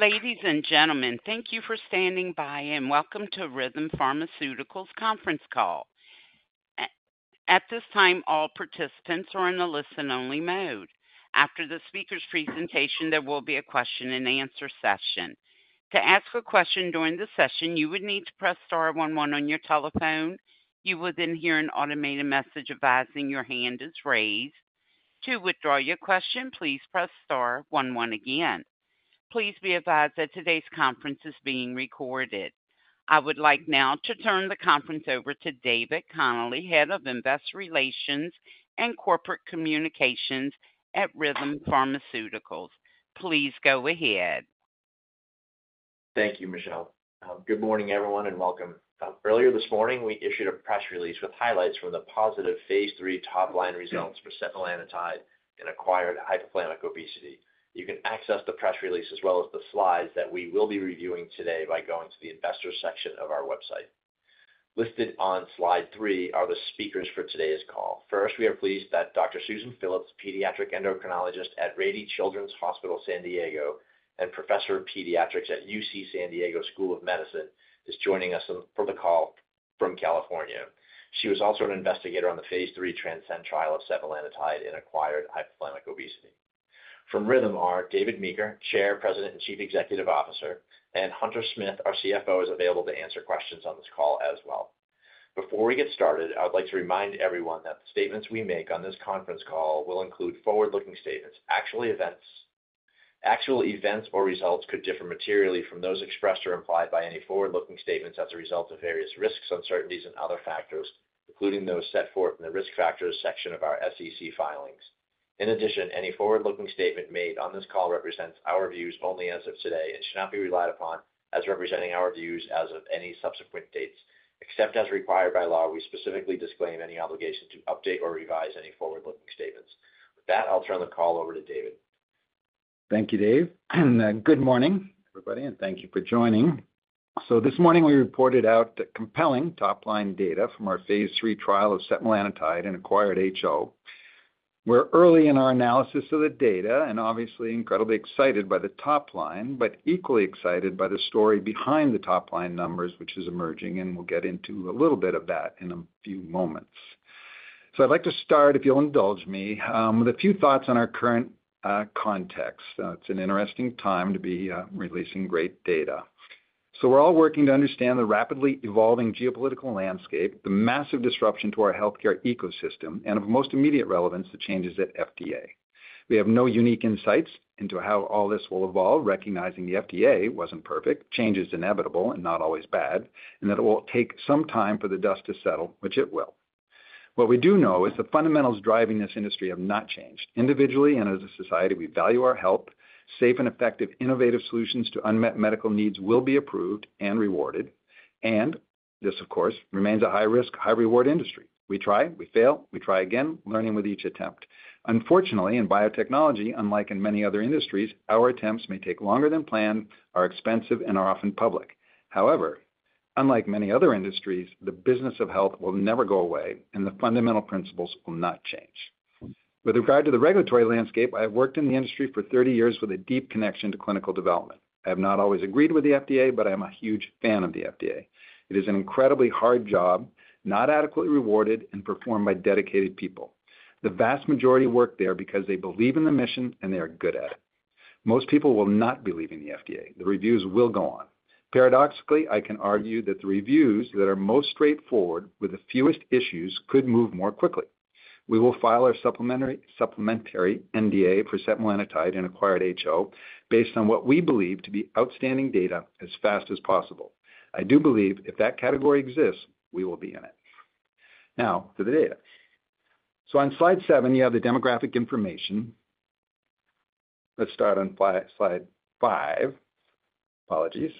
Ladies and gentlemen, thank you for standing by and welcome to Rhythm Pharmaceuticals' conference call. At this time, all participants are in a listen-only mode. After the speaker's presentation, there will be a question-and-answer session. To ask a question during the session, you would need to press star one one on your telephone. You will then hear an automated message advising your hand is raised. To withdraw your question, please press star one one again. Please be advised that today's conference is being recorded. I would like now to turn the conference over to David Connolly, Head of Investor Relations and Corporate Communications at Rhythm Pharmaceuticals. Please go ahead. Thank you, Michelle. Good morning, everyone, and welcome. Earlier this morning, we issued a press release with highlights from the positive phase III top-line results for setmelanotide, and acquired hypothalamic obesity. You can access the press release as well as the slides that we will be reviewing today by going to the investor section of our website. Listed on slide three are the speakers for today's call. First, we are pleased that Dr. Susan Phillips, pediatric endocrinologist at Rady Children's Hospital, San Diego, and professor of pediatrics at UC San Diego School of Medicine, is joining us for the call from California. She was also an investigator on the phase III TRANSCEND trial of setmelanotide and acquired hypothalamic obesity. From Rhythm, our David Meeker, Chair, President, and Chief Executive Officer, and Hunter Smith, our CFO, is available to answer questions on this call as well. Before we get started, I would like to remind everyone that the statements we make on this conference call will include forward-looking statements. Actual events or results could differ materially from those expressed or implied by any forward-looking statements as a result of various risks, uncertainties, and other factors, including those set forth in the risk factors section of our SEC filings. In addition, any forward-looking statement made on this call represents our views only as of today and should not be relied upon as representing our views as of any subsequent dates. Except as required by law, we specifically disclaim any obligation to update or revise any forward-looking statements. With that, I'll turn the call over to David. Thank you, Dave. Good morning, everybody, and thank you for joining. This morning, we reported out compelling top-line data from our phase III trial of setmelanotide in acquired HO. We're early in our analysis of the data and obviously incredibly excited by the top line, but equally excited by the story behind the top line numbers, which is emerging, and we'll get into a little bit of that in a few moments. I'd like to start, if you'll indulge me, with a few thoughts on our current context. It's an interesting time to be releasing great data. We're all working to understand the rapidly evolving geopolitical landscape, the massive disruption to our healthcare ecosystem, and of most immediate relevance, the changes at FDA. We have no unique insights into how all this will evolve, recognizing the FDA was not perfect, change is inevitable and not always bad, and that it will take some time for the dust to settle, which it will. What we do know is the fundamentals driving this industry have not changed. Individually and as a society, we value our health. Safe and effective, innovative solutions to unmet medical needs will be approved and rewarded. This, of course, remains a high-risk, high-reward industry. We try, we fail, we try again, learning with each attempt. Unfortunately, in biotechnology, unlike in many other industries, our attempts may take longer than planned, are expensive, and are often public. However, unlike many other industries, the business of health will never go away, and the fundamental principles will not change. With regard to the regulatory landscape, I have worked in the industry for 30 years with a deep connection to clinical development. I have not always agreed with the FDA, but I am a huge fan of the FDA. It is an incredibly hard job, not adequately rewarded, and performed by dedicated people. The vast majority work there because they believe in the mission and they are good at it. Most people will not be leaving the FDA. The reviews will go on. Paradoxically, I can argue that the reviews that are most straightforward, with the fewest issues, could move more quickly. We will file our supplemental NDA for setmelanotide and acquired HObased on what we believe to be outstanding data as fast as possible. I do believe if that category exists, we will be in it. Now, to the data. On slide seven, you have the demographic information. Let's start on slide five. Apologies.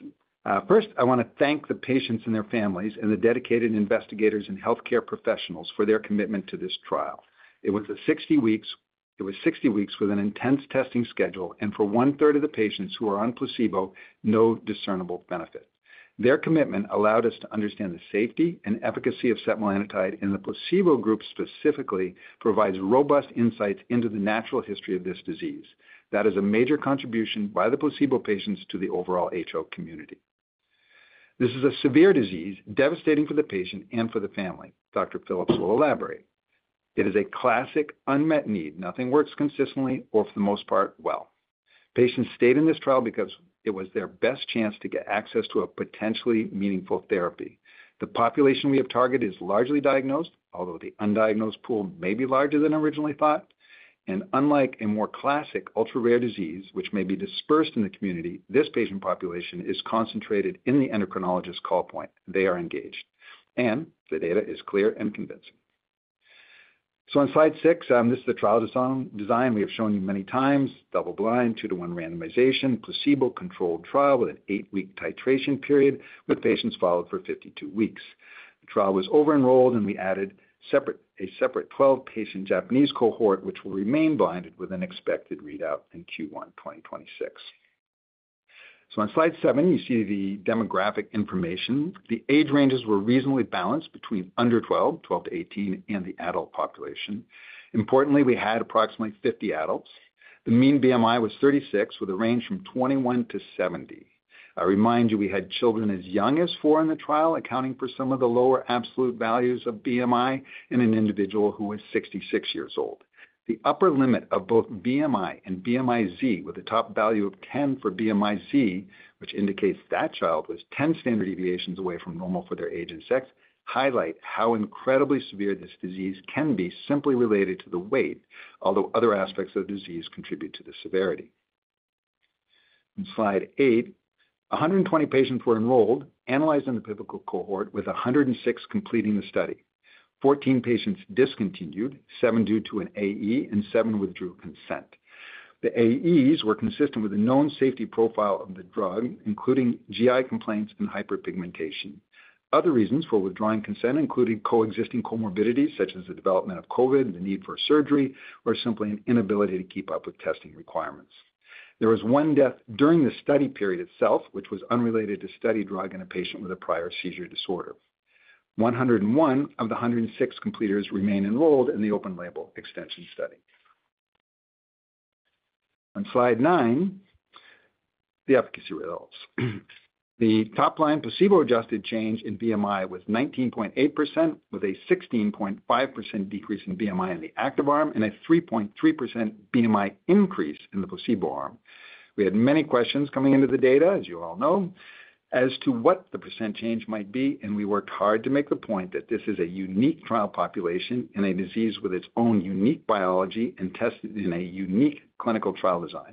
First, I want to thank the patients and their families and the dedicated investigators and healthcare professionals for their commitment to this trial. It was 60 weeks with an intense testing schedule, and for one-third of the patients who are on placebo, no discernible benefit. Their commitment allowed us to understand the safety and efficacy of setmelanotide, and the placebo group specifically provides robust insights into the natural history of this disease. That is a major contribution by the placebo patients to the overall HO community. This is a severe disease, devastating for the patient and for the family. Dr. Phillips will elaborate. It is a classic unmet need. Nothing works consistently or, for the most part, well. Patients stayed in this trial because it was their best chance to get access to a potentially meaningful therapy. The population we have targeted is largely diagnosed, although the undiagnosed pool may be larger than originally thought. Unlike a more classic ultra-rare disease, which may be dispersed in the community, this patient population is concentrated in the endocrinologist's call point. They are engaged. The data is clear and convincing. On slide six, this is the trial design we have shown you many times: double-blind, two-to-one randomization, placebo-controlled trial with an eight-week titration period, with patients followed for 52 weeks. The trial was over-enrolled, and we added a separate 12-patient Japanese cohort, which will remain blinded with an expected readout in Q1 2026. On slide seven, you see the demographic information. The age ranges were reasonably balanced between under 12, 12-18, and the adult population. Importantly, we had approximately 50 adults. The mean BMI was 36, with a range from 21-70. I remind you, we had children as young as four in the trial, accounting for some of the lower absolute values of BMI in an individual who was 66 years old. The upper limit of both BMI and BMI-Z, with a top value of 10 for BMI-Z, which indicates that child was 10 standard deviations away from normal for their age and sex, highlights how incredibly severe this disease can be simply related to the weight, although other aspects of the disease contribute to the severity. On slide eight, 120 patients were enrolled, analyzed in the pivotal cohort, with 106 completing the study. 14 patients discontinued, seven due to an AE, and seven withdrew consent. The AEs were consistent with a known safety profile of the drug, including GI complaints and hyperpigmentation. Other reasons for withdrawing consent included coexisting comorbidities such as the development of COVID, the need for surgery, or simply an inability to keep up with testing requirements. There was one death during the study period itself, which was unrelated to study drug in a patient with a prior seizure disorder. 101 of the 106 completers remained enrolled in the open-label extension study. On slide nine, the efficacy results. The top-line placebo-adjusted change in BMI was 19.8%, with a 16.5% decrease in BMI in the active arm and a 3.3% BMI increase in the placebo arm. We had many questions coming into the data, as you all know, as to what the percent change might be, and we worked hard to make the point that this is a unique trial population and a disease with its own unique biology and tested in a unique clinical trial design.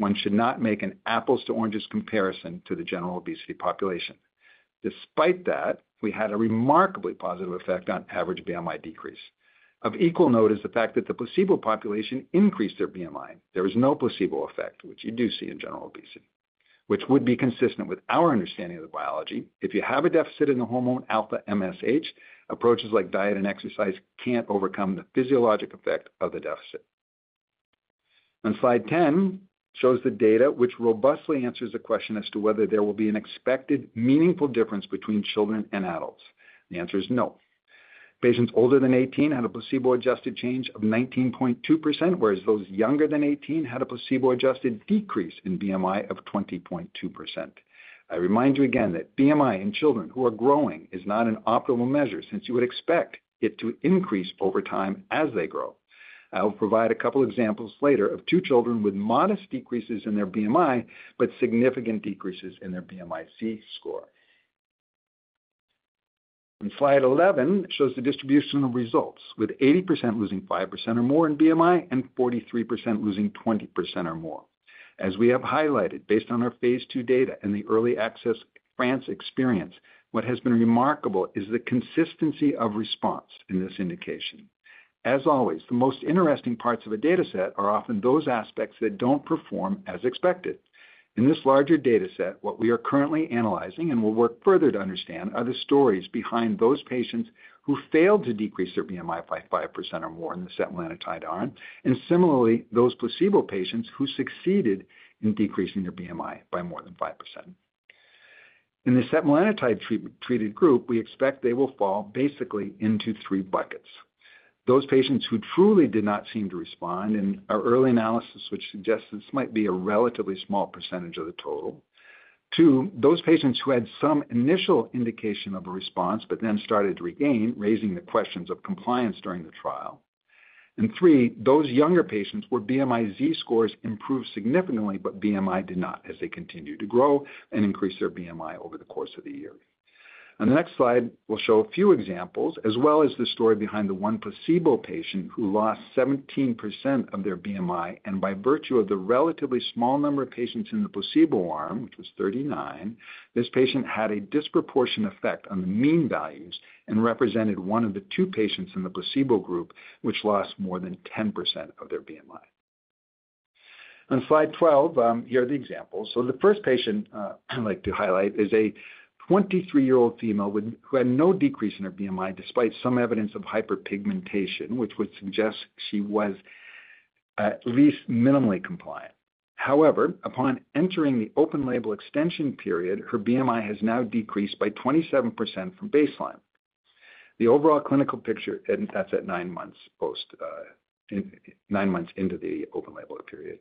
One should not make an apples-to-oranges comparison to the general obesity population. Despite that, we had a remarkably positive effect on average BMI decrease. Of equal note is the fact that the placebo population increased their BMI. There was no placebo effect, which you do see in general obesity, which would be consistent with our understanding of the biology. If you have a deficit in the hormone alpha MSH, approaches like diet and exercise can't overcome the physiologic effect of the deficit. On slide 10, shows the data, which robustly answers the question as to whether there will be an expected meaningful difference between children and adults. The answer is no. Patients older than 18 had a placebo-adjusted change of 19.2%, whereas those younger than 18 had a placebo-adjusted decrease in BMI of 20.2%. I remind you again that BMI in children who are growing is not an optimal measure, since you would expect it to increase over time as they grow. I will provide a couple of examples later of two children with modest decreases in their BMI, but significant decreases in their BMI-Z score. On slide 11, shows the distribution of results, with 80% losing 5% or more in BMI and 43% losing 20% or more. As we have highlighted, based on our phase II data and the early access France experience, what has been remarkable is the consistency of response in this indication. As always, the most interesting parts of a data set are often those aspects that do not perform as expected. In this larger data set, what we are currently analyzing and will work further to understand are the stories behind those patients who failed to decrease their BMI by 5% or more in the setmelanotide arm, and similarly, those placebo patients who succeeded in decreasing their BMI by more than 5%. In the setmelanotide treated group, we expect they will fall basically into three buckets. Those patients who truly did not seem to respond in our early analysis, which suggests this might be a relatively small percentage of the total. Two, those patients who had some initial indication of a response, but then started to regain, raising the questions of compliance during the trial. Three, those younger patients where BMI-Z scores improved significantly, but BMI did not as they continued to grow and increase their BMI over the course of the year. On the next slide, we'll show a few examples, as well as the story behind the one placebo patient who lost 17% of their BMI, and by virtue of the relatively small number of patients in the placebo arm, which was 39, this patient had a disproportionate effect on the mean values and represented one of the two patients in the placebo group, which lost more than 10% of their BMI. On slide 12, here are the examples. The first patient I'd like to highlight is a 23-year-old female who had no decrease in her BMI despite some evidence of hyperpigmentation, which would suggest she was at least minimally compliant. However, upon entering the open-label extension period, her BMI has now decreased by 27% from baseline. The overall clinical picture, and that's at nine months into the open-label period.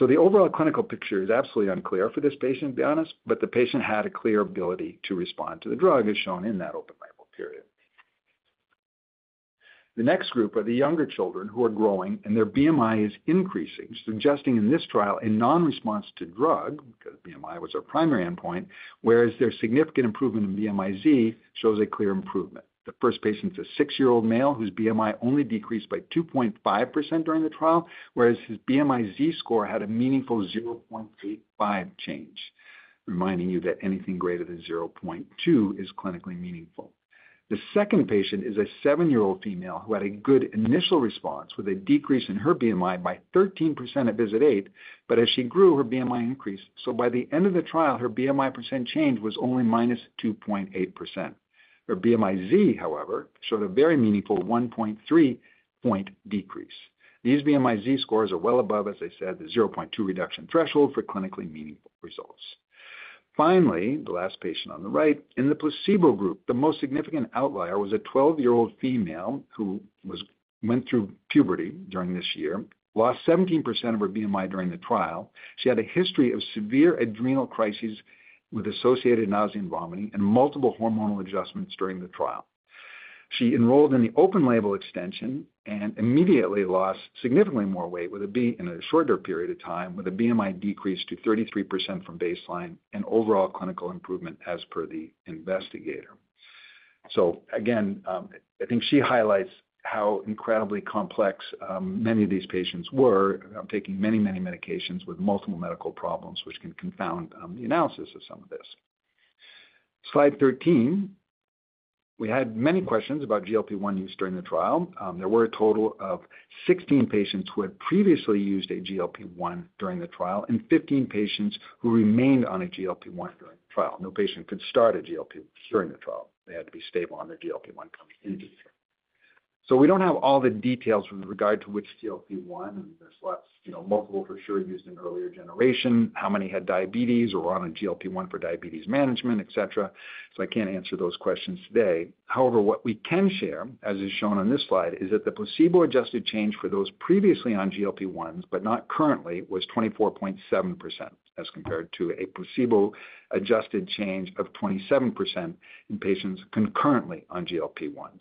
The overall clinical picture is absolutely unclear for this patient, to be honest, but the patient had a clear ability to respond to the drug, as shown in that open-label period. The next group are the younger children who are growing, and their BMI is increasing, suggesting in this trial a non-response to drug, because BMI was our primary endpoint, whereas their significant improvement in BMI-Z shows a clear improvement. The first patient is a six-year-old male whose BMI only decreased by 2.5% during the trial, whereas his BMI-Z score had a meaningful 0.85 change. Reminding you that anything greater than 0.2 is clinically meaningful. The second patient is a seven-year-old female who had a good initial response with a decrease in her BMI by 13% at visit eight, but as she grew, her BMI increased. By the end of the trial, her BMI percent change was only -2.8%. Her BMI-Z, however, showed a very meaningful 1.3-point decrease. These BMI-Z scores are well above, as I said, the 0.2 reduction threshold for clinically meaningful results. Finally, the last patient on the right, in the placebo group, the most significant outlier was a 12-year-old female who went through puberty during this year, lost 17% of her BMI during the trial. She had a history of severe adrenal crises with associated nausea and vomiting and multiple hormonal adjustments during the trial. She enrolled in the open-label extension and immediately lost significantly more weight in a shorter period of time, with a BMI decreased to 33% from baseline and overall clinical improvement, as per the investigator. I think she highlights how incredibly complex many of these patients were, taking many, many medications with multiple medical problems, which can confound the analysis of some of this. Slide 13. We had many questions about GLP-1 use during the trial. There were a total of 16 patients who had previously used a GLP-1 during the trial and 15 patients who remained on a GLP-1 during the trial. No patient could start a GLP-1 during the trial. They had to be stable on their GLP-1 coming into the trial. We do not have all the details with regard to which GLP-1, and there are lots of multiple for sure used in earlier generation, how many had diabetes or were on a GLP-1 for diabetes management, et cetera. I cannot answer those questions today. However, what we can share, as is shown on this slide, is that the placebo-adjusted change for those previously on GLP-1s, but not currently, was 24.7%, as compared to a placebo-adjusted change of 27% in patients concurrently on GLP-1s.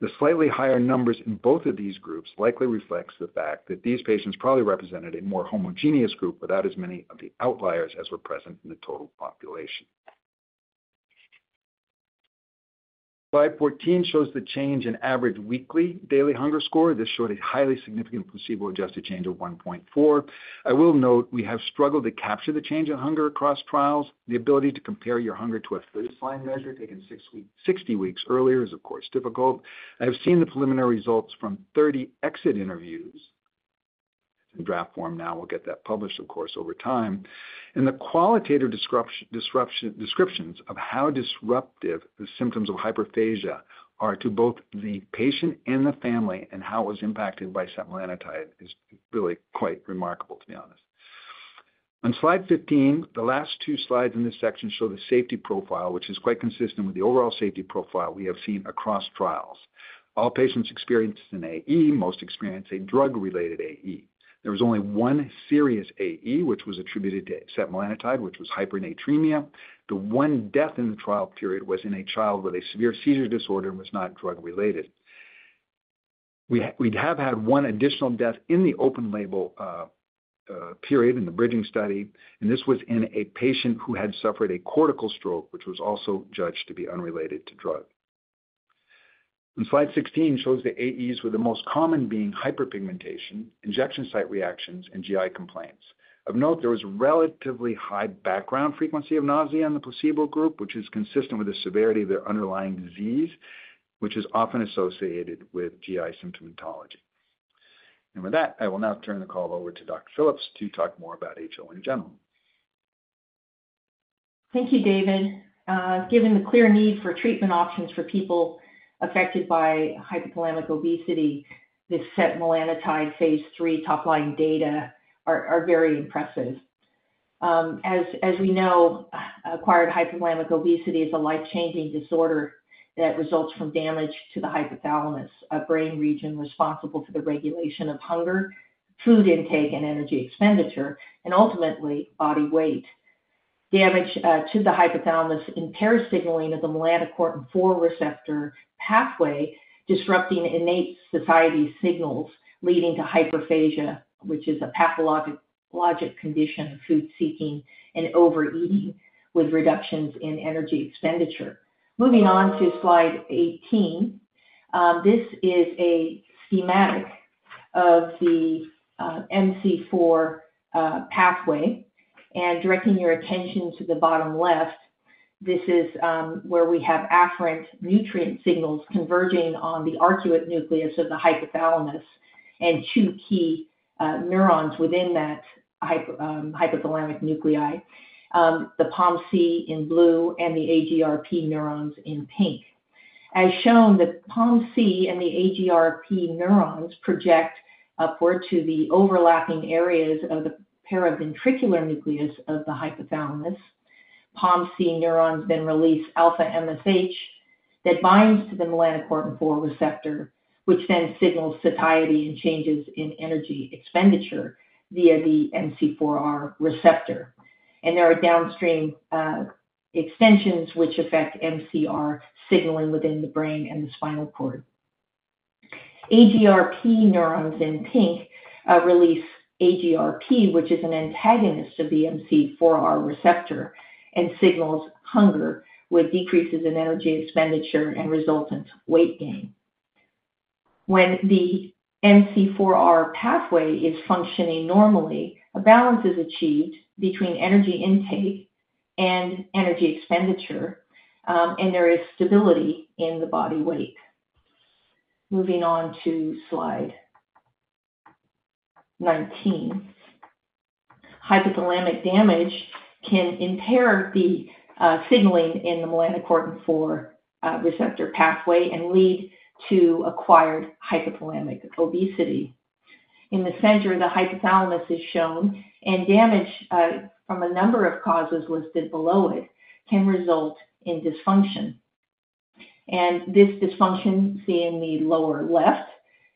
The slightly higher numbers in both of these groups likely reflects the fact that these patients probably represented a more homogeneous group without as many of the outliers as were present in the total population. Slide 14 shows the change in average weekly daily hunger score. This showed a highly significant placebo-adjusted change of 1.4. I will note we have struggled to capture the change in hunger across trials. The ability to compare your hunger to a baseline measure taken 60 weeks earlier is, of course, difficult. I have seen the preliminary results from 30 exit interviews in draft form. Now we'll get that published, of course, over time. The qualitative descriptions of how disruptive the symptoms of hyperphagia are to both the patient and the family and how it was impacted by setmelanotide is really quite remarkable, to be honest. On slide 15, the last two slides in this section show the safety profile, which is quite consistent with the overall safety profile we have seen across trials. All patients experienced an AE, most experienced a drug-related AE. There was only one serious AE, which was attributed to setmelanotide, which was hyponatremia. The one death in the trial period was in a child with a severe seizure disorder and was not drug-related. We have had one additional death in the open-label period in the bridging study, and this was in a patient who had suffered a cortical stroke, which was also judged to be unrelated to drug. On slide 16, shows the AEs with the most common being hyperpigmentation, injection site reactions, and GI complaints. Of note, there was a relatively high background frequency of nausea in the placebo group, which is consistent with the severity of their underlying disease, which is often associated with GI symptomatology. I will now turn the call over to Dr. Phillips to talk more about HO in general. Thank you, David. Given the clear need for treatment options for people affected by hypothalamic obesity, the setmelanotide phase III top-line data are very impressive. As we know, acquired hypothalamic obesity is a life-changing disorder that results from damage to the hypothalamus, a brain region responsible for the regulation of hunger, food intake, and energy expenditure, and ultimately body weight. Damage to the hypothalamus impairs signaling of the melanocortin-4 receptor pathway, disrupting innate satiety signals, leading to hyperphagia, which is a pathologic condition of food seeking and overeating with reductions in energy expenditure. Moving on to slide 18, this is a schematic of the MC4 pathway. Directing your attention to the bottom left, this is where we have afferent nutrient signals converging on the arcuate nucleus of the hypothalamus and two key neurons within that hypothalamic nuclei, the POMC in blue and the AGRP neurons in pink. As shown, the POMC and the AGRP neurons project upward to the overlapping areas of the paraventricular nucleus of the hypothalamus. POMC neurons then release alpha MSH that binds to the melanocortin-4 receptor, which then signals satiety and changes in energy expenditure via the MC4R receptor. There are downstream extensions which affect MC4R signaling within the brain and the spinal cord. AGRP neurons in pink release AGRP, which is an antagonist of the MC4R receptor and signals hunger, with decreases in energy expenditure and resultant weight gain. When the MC4R pathway is functioning normally, a balance is achieved between energy intake and energy expenditure, and there is stability in the body weight. Moving on to slide 19. Hypothalamic damage can impair the signaling in the melanocortin-4 receptor pathway and lead to acquired hypothalamic obesity. In the center, the hypothalamus is shown, and damage from a number of causes listed below it can result in dysfunction. This dysfunction, see in the lower left,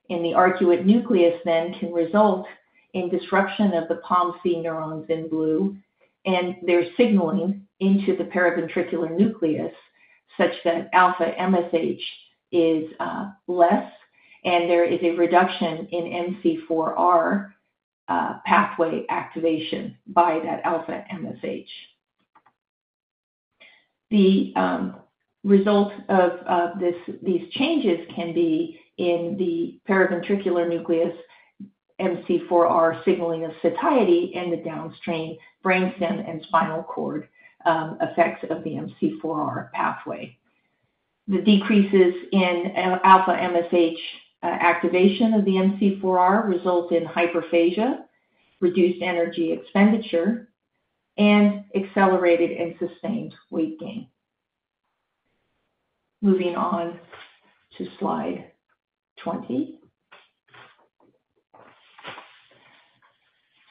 in the arcuate nucleus then, can result in disruption of the POMC neurons in blue, and their signaling into the paraventricular nucleus such that alpha MSH is less, and there is a reduction in MC4R pathway activation by that alpha MSH. The result of these changes can be in the paraventricular nucleus, MC4R signaling of satiety, and the downstream brainstem and spinal cord effects of the MC4R pathway. The decreases in alpha MSH activation of the MC4R result in hyperphagia, reduced energy expenditure, and accelerated and sustained weight gain. Moving on to slide 20.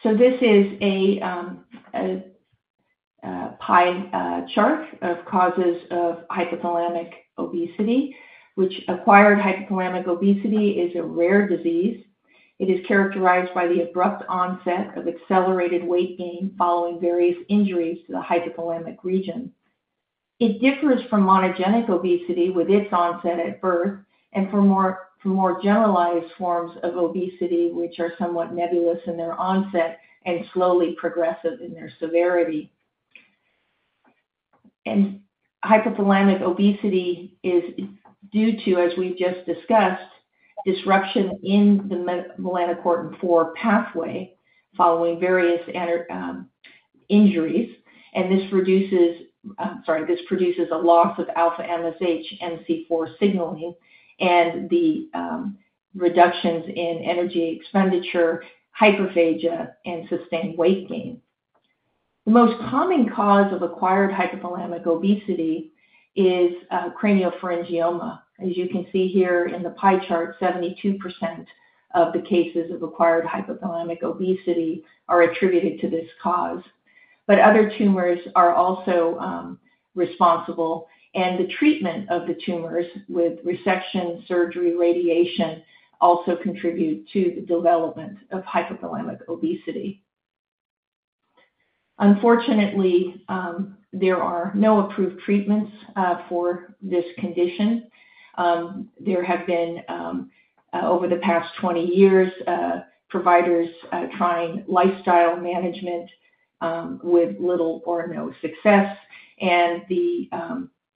This is a pie chart of causes of hypothalamic obesity. Acquired hypothalamic obesity is a rare disease. It is characterized by the abrupt onset of accelerated weight gain following various injuries to the hypothalamic region. It differs from monogenic obesity with its onset at birth and from more generalized forms of obesity, which are somewhat nebulous in their onset and slowly progressive in their severity. Hypothalamic obesity is due to, as we've just discussed, disruption in the melanocortin-4 pathway following various injuries, and this produces a loss of alpha MSH, MC4 signaling, and the reductions in energy expenditure, hyperphagia, and sustained weight gain. The most common cause of acquired hypothalamic obesity is craniopharyngioma. As you can see here in the pie chart, 72% of the cases of acquired hypothalamic obesity are attributed to this cause. Other tumors are also responsible, and the treatment of the tumors with resection, surgery, radiation also contribute to the development of hypothalamic obesity. Unfortunately, there are no approved treatments for this condition. There have been, over the past 20 years, providers trying lifestyle management with little or no success, and the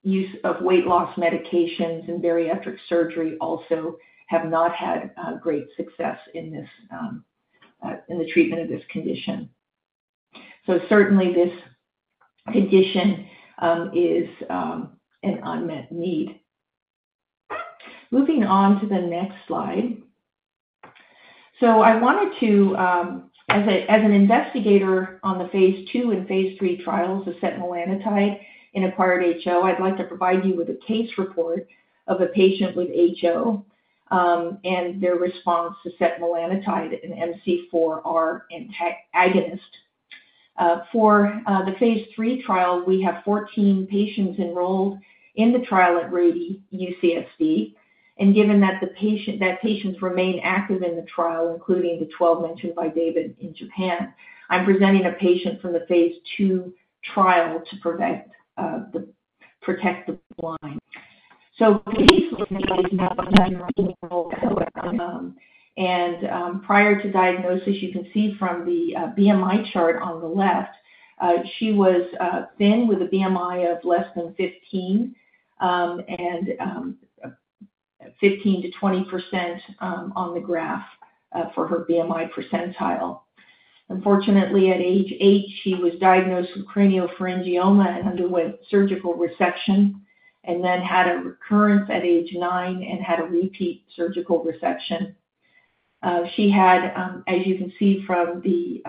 use of weight loss medications and bariatric surgery also have not had great success in the treatment of this condition. Certainly, this condition is an unmet need. Moving on to the next slide. I wanted to, as an investigator on the phase II and phase III trials of setmelanotide in acquired hypothalamic obesity, I'd like to provide you with a case report of a patient with HO and their response to setmelanotide, an MC4R agonist. For the phase III trial, we have 14 patients enrolled in the trial at Rady UCSD. Given that patients remain active in the trial, including the 12 mentioned by David in Japan, I'm presenting a patient from the phase II trial to protect the blind. Please look at these numbers on your phone. Prior to diagnosis, you can see from the BMI chart on the left, she was thin with a BMI of less than 15, and 15%-20% on the graph for her BMI percentile. Unfortunately, at age eight, she was diagnosed with craniopharyngioma and underwent surgical resection, and then had a recurrence at age nine and had a repeat surgical resection. She had, as you can see from the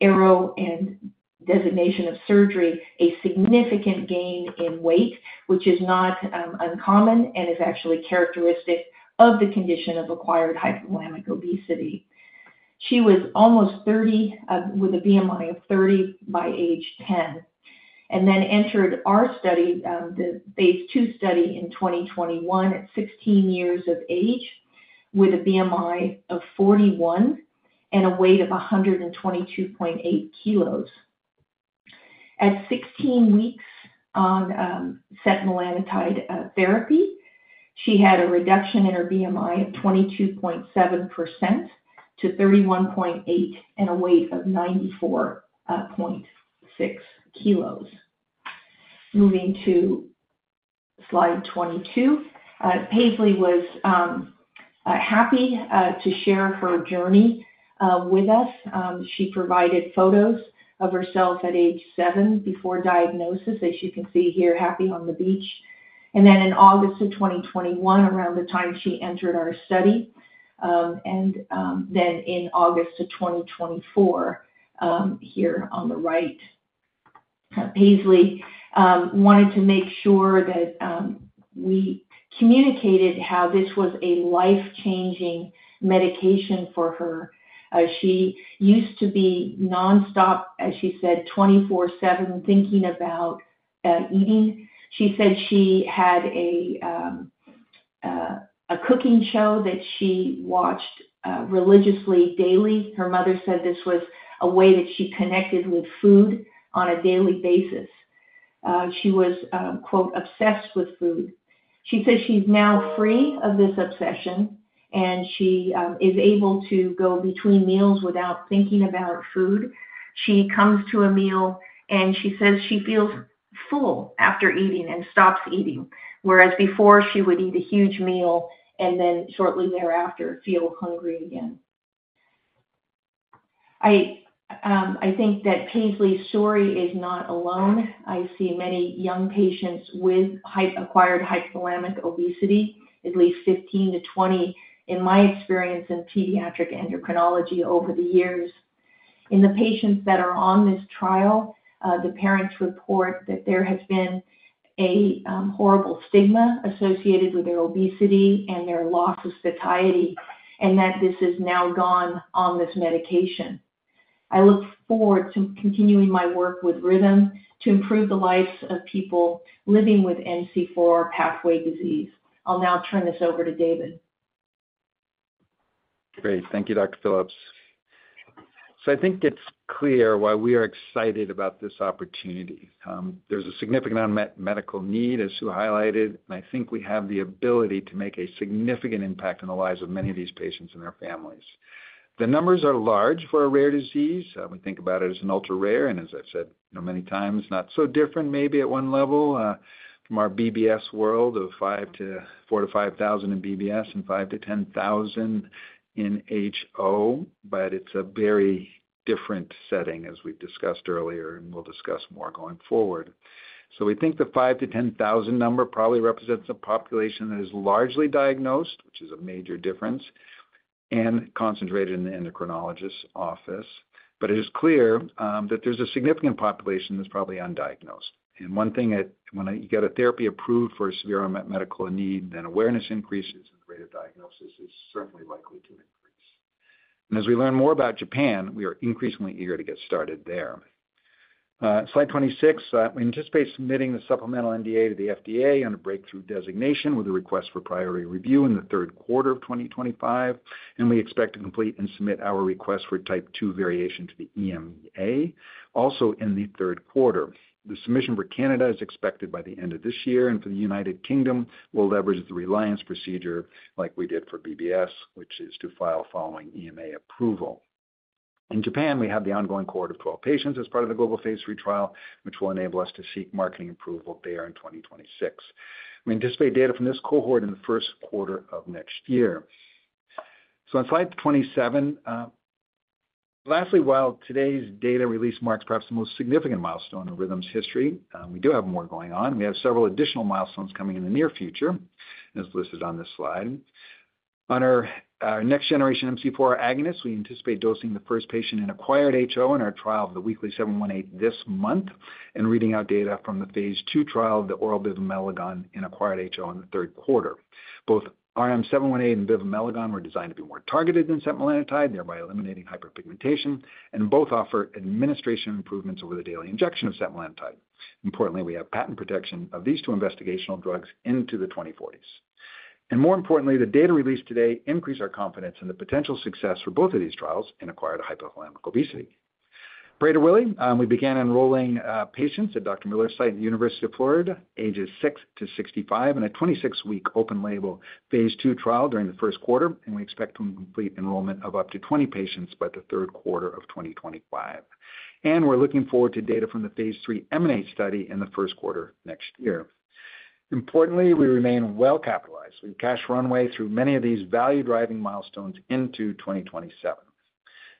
arrow and designation of surgery, a significant gain in weight, which is not uncommon and is actually characteristic of the condition of acquired hypothalamic obesity. She was almost 30, with a BMI of 30 by age 10, and then entered our study, the phase II study in 2021 at 16 years of age with a BMI of 41 and a weight of 122.8 kg. At 16 weeks on setmelanotide therapy, she had a reduction in her BMI of 22.7% to 31.8 and a weight of 94.6 kg. Moving to slide 22, Paisley was happy to share her journey with us. She provided photos of herself at age seven before diagnosis, as you can see here, happy on the beach. In August of 2021, around the time she entered our study, and in August of 2024, here on the right, Paisley wanted to make sure that we communicated how this was a life-changing medication for her. She used to be nonstop, as she said, 24/7 thinking about eating. She said she had a cooking show that she watched religiously daily. Her mother said this was a way that she connected with food on a daily basis. She was "obsessed with food." She says she's now free of this obsession, and she is able to go between meals without thinking about food. She comes to a meal, and she says she feels full after eating and stops eating, whereas before she would eat a huge meal and then shortly thereafter feel hungry again. I think that Paisley's story is not alone. I see many young patients with acquired hypothalamic obesity, at least 15-20, in my experience in pediatric endocrinology over the years. In the patients that are on this trial, the parents report that there has been a horrible stigma associated with their obesity and their loss of satiety, and that this is now gone on this medication. I look forward to continuing my work with Rhythm to improve the lives of people living with MC4R pathway disease. I'll now turn this over to David. Great. Thank you, Dr. Phillips. I think it's clear why we are excited about this opportunity. There's a significant unmet medical need, as you highlighted, and I think we have the ability to make a significant impact on the lives of many of these patients and their families. The numbers are large for a rare disease. We think about it as an ultra rare, and as I've said many times, not so different maybe at one level from our BBS world of 4,000-5,000 in BBS and 5,000-10,000 in HO, but it's a very different setting, as we've discussed earlier, and we'll discuss more going forward. We think the 5,000-10,000 number probably represents a population that is largely diagnosed, which is a major difference, and concentrated in the endocrinologist's office. It is clear that there's a significant population that's probably undiagnosed. One thing, when you get a therapy approved for a severe unmet medical need, awareness increases and the rate of diagnosis is certainly likely to increase. As we learn more about Japan, we are increasingly eager to get started there. Slide 26, we anticipate submitting the supplemental NDA to the FDA on a breakthrough designation with a request for priority review in the third quarter of 2025, and we expect to complete and submit our request for type two variation to the EMA also in the third quarter. The submission for Canada is expected by the end of this year, and for the United Kingdom, we'll leverage the reliance procedure like we did for BBS, which is to file following EMA approval. In Japan, we have the ongoing cohort of 12 patients as part of the global phase III trial, which will enable us to seek marketing approval there in 2026. We anticipate data from this cohort in the first quarter of next year. On slide 27, lastly, while today's data release marks perhaps the most significant milestone in Rhythm's history, we do have more going on. We have several additional milestones coming in the near future, as listed on this slide. On our next generation MC4R agonist, we anticipate dosing the first patient in acquired HO in our trial of the weekly 718 this month and reading out data from the phase III trial of the oral bivamelagon in acquired HO in the third quarter. Both RM-718 and bivamelagon were designed to be more targeted than setmelanotide, thereby eliminating hyperpigmentation, and both offer administration improvements over the daily injection of setmelanotide. Importantly, we have patent protection of these two investigational drugs into the 2040s. More importantly, the data released today increase our confidence in the potential success for both of these trials in acquired hypothalamic obesity. Greater willing, we began enrolling patients at Dr. Miller's site at the University of Florida, ages six to 65, in a 26-week open-label phase two trial during the first quarter, and we expect to complete enrollment of up to 20 patients by the third quarter of 2025. We are looking forward to data from the phase III M&A study in the first quarter next year. Importantly, we remain well capitalized. We have cash runway through many of these value-driving milestones into 2027.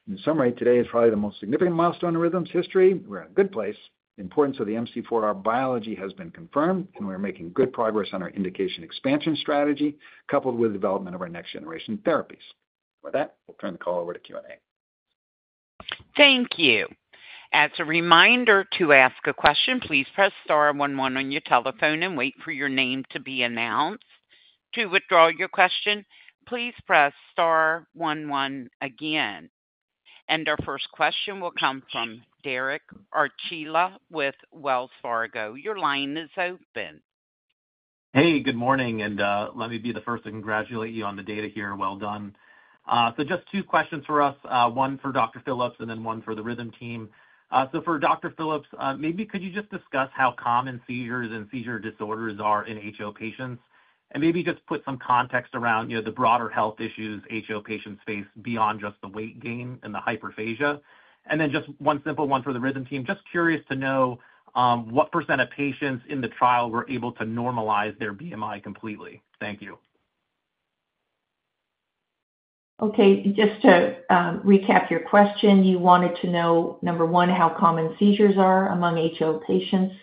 In summary, today is probably the most significant milestone in Rhythm's history. We're in a good place. The importance of the MC4R biology has been confirmed, and we're making good progress on our indication expansion strategy, coupled with the development of our next generation therapies. With that, we'll turn the call over to Q&A. Thank you. As a reminder to ask a question, please press star one one on your telephone and wait for your name to be announced. To withdraw your question, please press star one one again. Our first question will come from Derek Archila with Wells Fargo. Your line is open. Hey, good morning, and let me be the first to congratulate you on the data here. Well done. Just two questions for us, one for Dr. Phillips and then one for the Rhythm team. For Dr. Phillips, maybe could you just discuss how common seizures and seizure disorders are in HO patients? Maybe just put some context around the broader health issues HO patients face beyond just the weight gain and the hyperphagia. Just one simple one for the Rhythm team. Just curious to know what percent of patients in the trial were able to normalize their BMI completely. Thank you. Okay. Just to recap your question, you wanted to know, number one, how common seizures are among HO patients,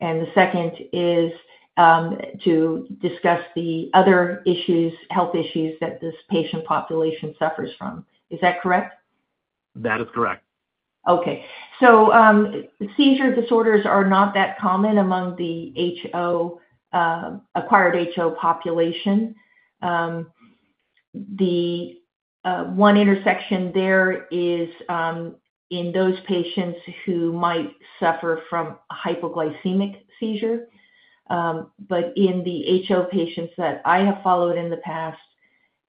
and the second is to discuss the other issues, health issues that this patient population suffers from. Is that correct? That is correct. Okay. Seizure disorders are not that common among the acquired HO population. The one intersection there is in those patients who might suffer from hypoglycemic seizure. In the HO patients that I have followed in the past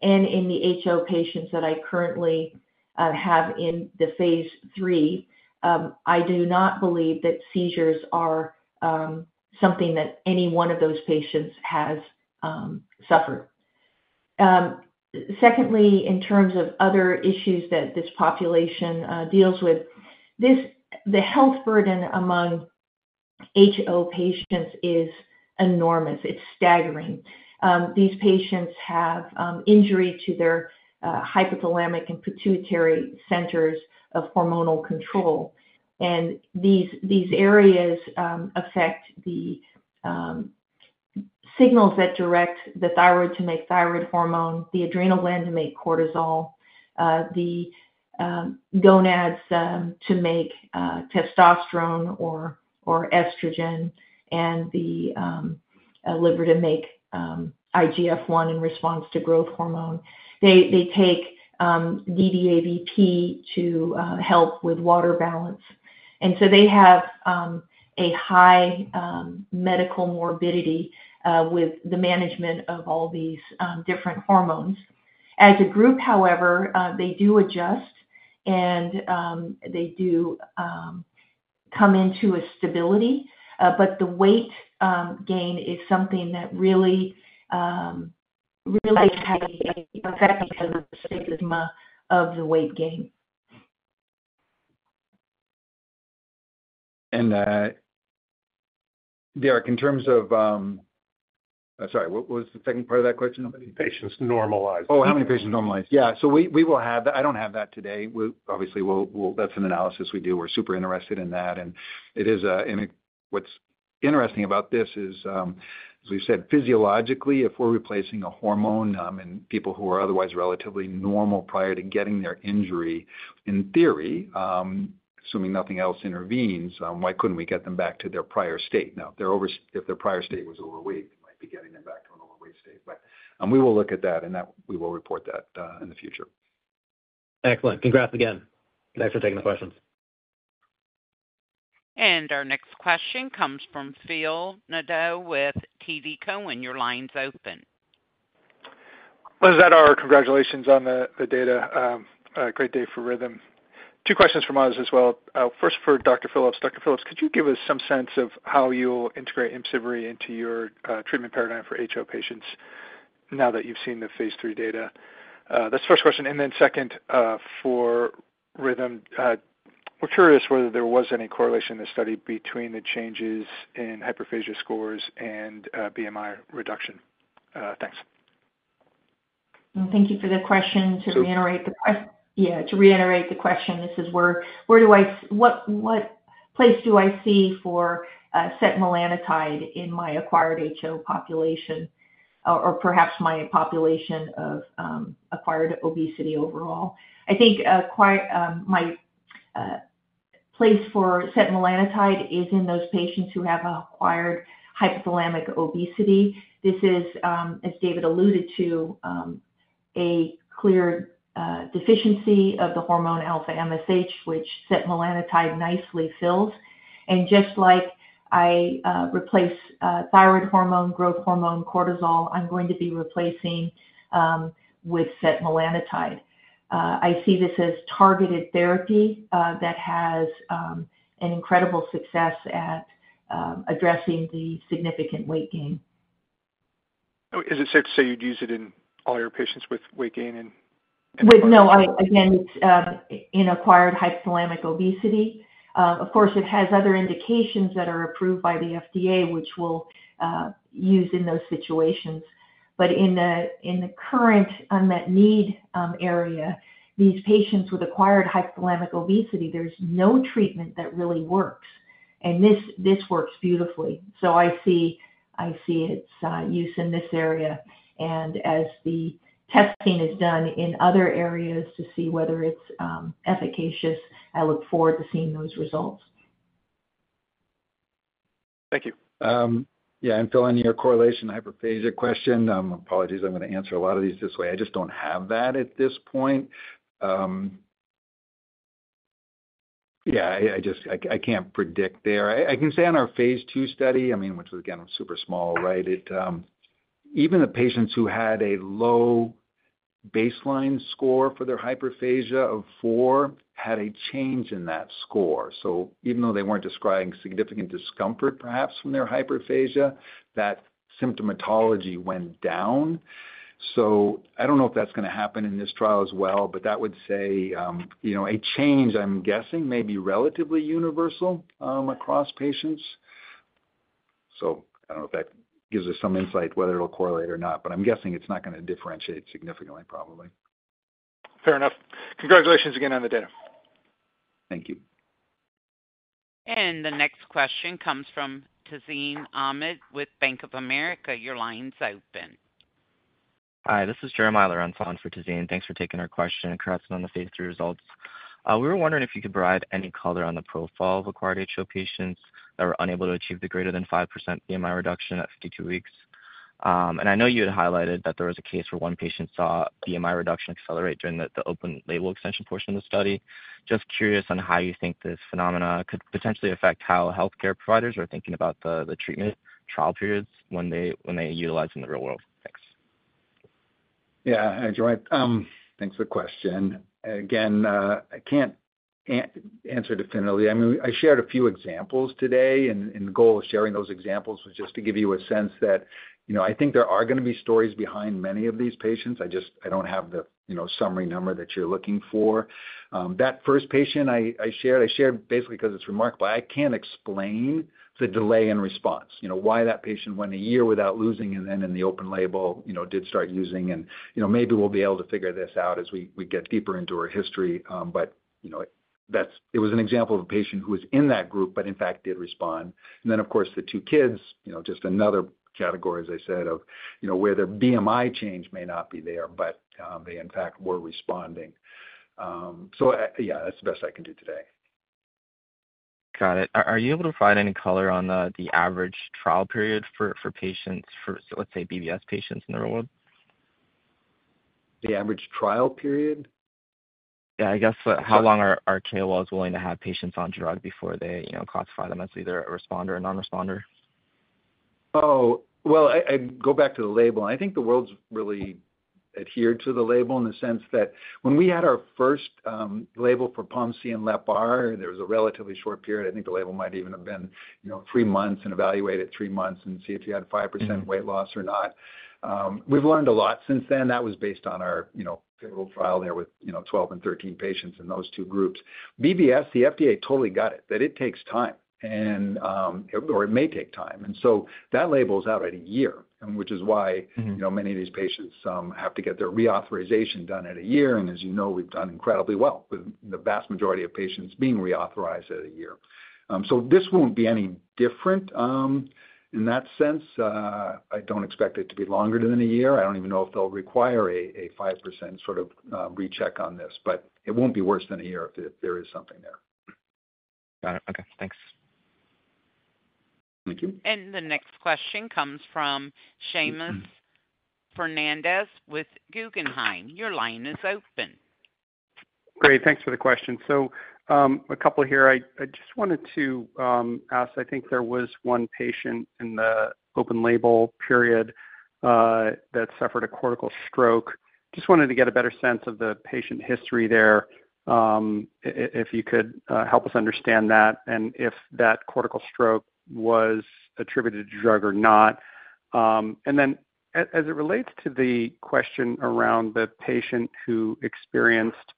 and in the HO patients that I currently have in the phase III, I do not believe that seizures are something that any one of those patients has suffered. Secondly, in terms of other issues that this population deals with, the health burden among HO patients is enormous. It's staggering. These patients have injury to their hypothalamic and pituitary centers of hormonal control. These areas affect the signals that direct the thyroid to make thyroid hormone, the adrenal gland to make cortisol, the gonads to make testosterone or estrogen, and the liver to make IGF-1 in response to growth hormone. They take DDAVP to help with water balance. They have a high medical morbidity with the management of all these different hormones. As a group, however, they do adjust, and they do come into a stability, but the weight gain is something that really affects the stigma of the weight gain. Derek, in terms of—sorry, what was the second part of that question? How many patients normalize? Oh, how many patients normalize? Yeah. We will have that. I don't have that today. Obviously, that's an analysis we do. We're super interested in that. What's interesting about this is, as we've said, physiologically, if we're replacing a hormone in people who are otherwise relatively normal prior to getting their injury, in theory, assuming nothing else intervenes, why couldn't we get them back to their prior state? Now, if their prior state was overweight, we might be getting them back to an overweight state. We will look at that, and we will report that in the future. Excellent. Congrats again. Thanks for taking the questions. Our next question comes from Phil Nadeau with TD Cowen. Your line's open. Congratulations on the data. Great day for Rhythm. Two questions from us as well. First, for Dr. Phillips. Dr. Phillips, could you give us some sense of how you'll integrate IMCIVREE into your treatment paradigm for HO patients now that you've seen the phase III data? That's the first question. Second, for Rhythm, we're curious whether there was any correlation in this study between the changes in hyperphagia scores and BMI reduction. Thanks. Thank you for the question. To reiterate the question, this is where do I—what place do I see for setmelanotide in my acquired HO population, or perhaps my population of acquired obesity overall? I think my place for setmelanotide is in those patients who have acquired hypothalamic obesity. This is, as David alluded to, a clear deficiency of the hormone alpha MSH, which setmelanotide nicely fills. Just like I replace thyroid hormone, growth hormone, cortisol, I'm going to be replacing with setmelanotide. I see this as targeted therapy that has an incredible success at addressing the significant weight gain. Is it safe to say you'd use it in all your patients with weight gain and—? No, again, it's in acquired hypothalamic obesity. Of course, it has other indications that are approved by the FDA, which we'll use in those situations. In the current unmet need area, these patients with acquired hypothalamic obesity, there's no treatment that really works. This works beautifully. I see its use in this area. As the testing is done in other areas to see whether it's efficacious, I look forward to seeing those results. Thank you. Yeah. Phil, in your correlation hyperphagia question. Apologies, I'm going to answer a lot of these this way. I just don't have that at this point. Yeah. I can't predict there. I can say on our phase II study, I mean, which was, again, super small, right? Even the patients who had a low baseline score for their hyperphagia of four had a change in that score. Even though they weren't describing significant discomfort, perhaps, from their hyperphagia, that symptomatology went down. I don't know if that's going to happen in this trial as well, but that would say a change, I'm guessing, may be relatively universal across patients. I don't know if that gives us some insight whether it'll correlate or not, but I'm guessing it's not going to differentiate significantly, probably. Fair enough. Congratulations again on the data. Thank you. The next question comes from Tazeen Ahmed with Bank of America. Your line's open. Hi. This is Jeremiah Lorentz on for Tazeen. Thanks for taking our question and correcting on the phase III results. We were wondering if you could provide any color on the profile of acquired HO patients that were unable to achieve the greater than 5% BMI reduction at 52 weeks. I know you had highlighted that there was a case where one patient saw BMI reduction accelerate during the open label extension portion of the study. Just curious on how you think this phenomena could potentially affect how healthcare providers are thinking about the treatment trial periods when they utilize in the real world. Thanks. Yeah. Thanks for the question. Again, I can't answer definitively. I mean, I shared a few examples today, and the goal of sharing those examples was just to give you a sense that I think there are going to be stories behind many of these patients. I do not have the summary number that you're looking for. That first patient I shared, I shared basically because it's remarkable. I can't explain the delay in response, why that patient went a year without losing and then in the open label did start using. Maybe we'll be able to figure this out as we get deeper into our history. It was an example of a patient who was in that group, but in fact did respond. Of course, the two kids, just another category, as I said, of where their BMI change may not be there, but they in fact were responding. Yeah, that's the best I can do today. Got it. Are you able to provide any color on the average trial period for patients, let's say BBS patients in the real world? The average trial period? Yeah. I guess how long are KOLs willing to have patients on drug before they classify them as either a responder or non-responder? Oh, I go back to the label. I think the world's really adhered to the label in the sense that when we had our first label for POMC and LepR, there was a relatively short period. I think the label might even have been three months and evaluate at three months and see if you had 5% weight loss or not. We've learned a lot since then. That was based on our pivotal trial there with 12 and 13 patients in those two groups. BBS, the FDA totally got it, that it takes time, or it may take time. That label's out at a year, which is why many of these patients have to get their reauthorization done at a year. As you know, we've done incredibly well with the vast majority of patients being reauthorized at a year. This won't be any different in that sense. I don't expect it to be longer than a year. I don't even know if they'll require a 5% sort of recheck on this, but it won't be worse than a year if there is something there. Got it. Okay. Thanks. Thank you. The next question comes from Seamus Fernandez with Guggenheim. Your line is open. Great. Thanks for the question. A couple here. I just wanted to ask, I think there was one patient in the open label period that suffered a cortical stroke. Just wanted to get a better sense of the patient history there, if you could help us understand that, and if that cortical stroke was attributed to drug or not. As it relates to the question around the patient who experienced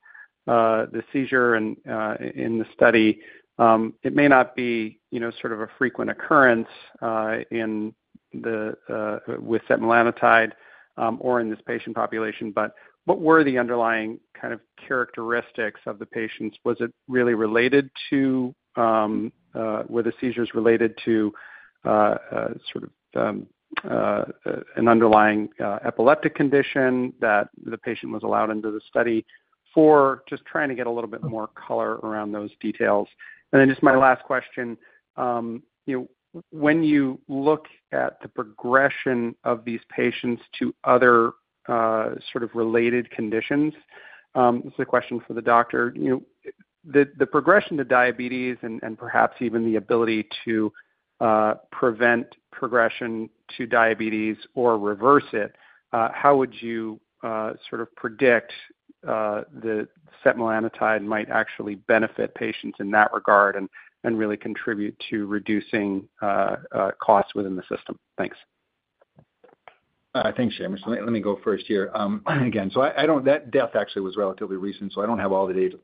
the seizure in the study, it may not be sort of a frequent occurrence with setmelanotide or in this patient population, but what were the underlying kind of characteristics of the patients? Was it really related to were the seizures related to sort of an underlying epileptic condition that the patient was allowed into the study? Just trying to get a little bit more color around those details. Just my last question. When you look at the progression of these patients to other sort of related conditions, this is a question for the doctor. The progression to diabetes and perhaps even the ability to prevent progression to diabetes or reverse it, how would you sort of predict that setmelanotide might actually benefit patients in that regard and really contribute to reducing costs within the system? Thanks. Thanks, Seamus. Let me go first here. Again, that death actually was relatively recent, so I do not have all the data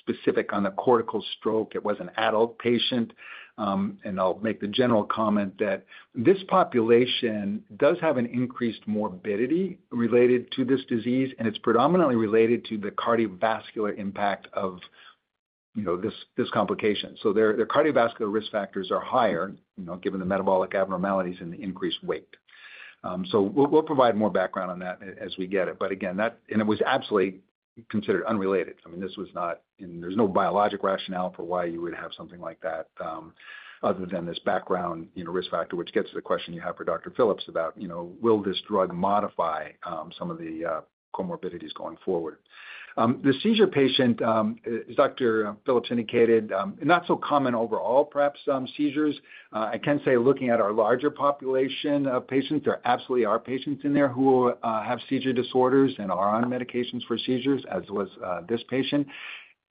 specific on the cortical stroke. It was an adult patient. I will make the general comment that this population does have an increased morbidity related to this disease, and it is predominantly related to the cardiovascular impact of this complication. Their cardiovascular risk factors are higher, given the metabolic abnormalities and the increased weight. We'll provide more background on that as we get it. Again, it was absolutely considered unrelated. I mean, this was not, there's no biologic rationale for why you would have something like that other than this background risk factor, which gets to the question you have for Dr. Phillips about, will this drug modify some of the comorbidities going forward? The seizure patient, as Dr. Phillips indicated, not so common overall, perhaps, seizures. I can say looking at our larger population of patients, there absolutely are patients in there who have seizure disorders and are on medications for seizures, as was this patient.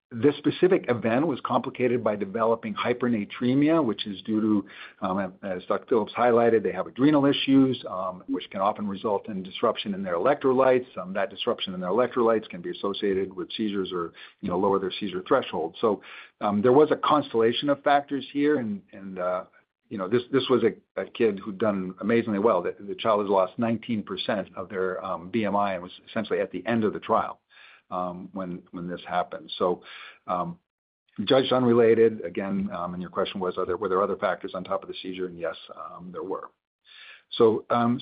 This specific event was complicated by developing hyponatremia, which is due to, as Dr. Phillips highlighted, they have adrenal issues, which can often result in disruption in their electrolytes. That disruption in their electrolytes can be associated with seizures or lower their seizure threshold. There was a constellation of factors here. This was a kid who'd done amazingly well. The child has lost 19% of their BMI and was essentially at the end of the trial when this happened. Judged unrelated. Again, your question was, were there other factors on top of the seizure? Yes, there were.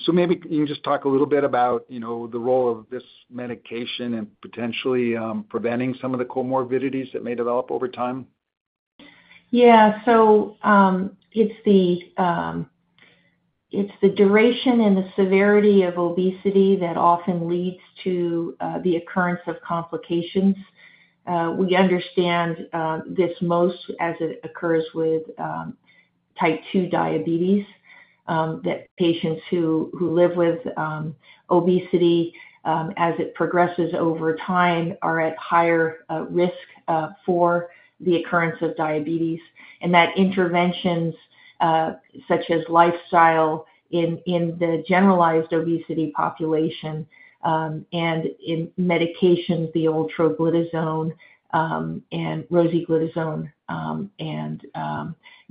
Maybe you can just talk a little bit about the role of this medication and potentially preventing some of the comorbidities that may develop over time? Yeah. It's the duration and the severity of obesity that often leads to the occurrence of complications. We understand this most as it occurs with type 2 diabetes, that patients who live with obesity, as it progresses over time, are at higher risk for the occurrence of diabetes. Interventions, such as lifestyle in the generalized obesity population and in medications, the old triglyceride and rosiglitazone and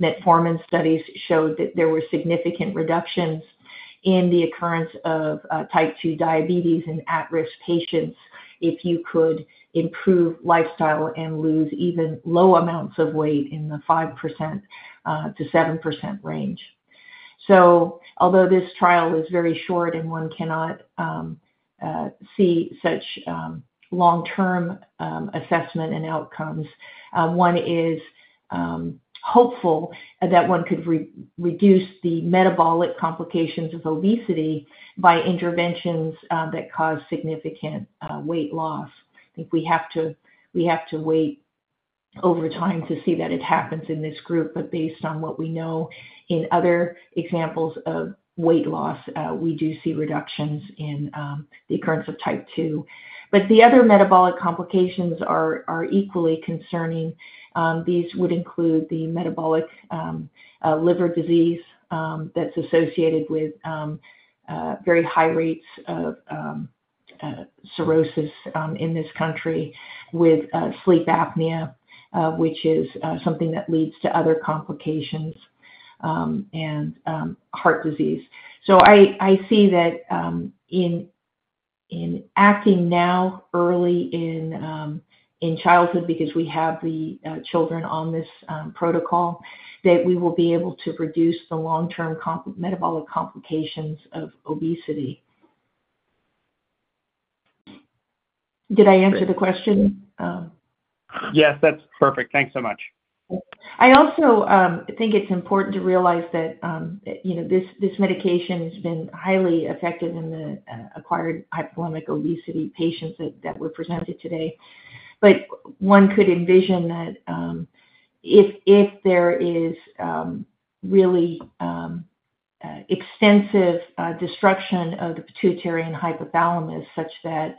metformin studies showed that there were significant reductions in the occurrence of type 2 diabetes in at-risk patients if you could improve lifestyle and lose even low amounts of weight in the 5%-7% range. Although this trial is very short and one cannot see such long-term assessment and outcomes, one is hopeful that one could reduce the metabolic complications of obesity by interventions that cause significant weight loss. I think we have to wait over time to see that it happens in this group. Based on what we know in other examples of weight loss, we do see reductions in the occurrence of type 2. The other metabolic complications are equally concerning. These would include the metabolic liver disease that's associated with very high rates of cirrhosis in this country, with sleep apnea, which is something that leads to other complications, and heart disease. I see that in acting now early in childhood, because we have the children on this protocol, that we will be able to reduce the long-term metabolic complications of obesity. Did I answer the question? Yes. That's perfect. Thanks so much. I also think it's important to realize that this medication has been highly effective in the acquired hypothalamic obesity patients that were presented today. One could envision that if there is really extensive destruction of the pituitary and hypothalamus such that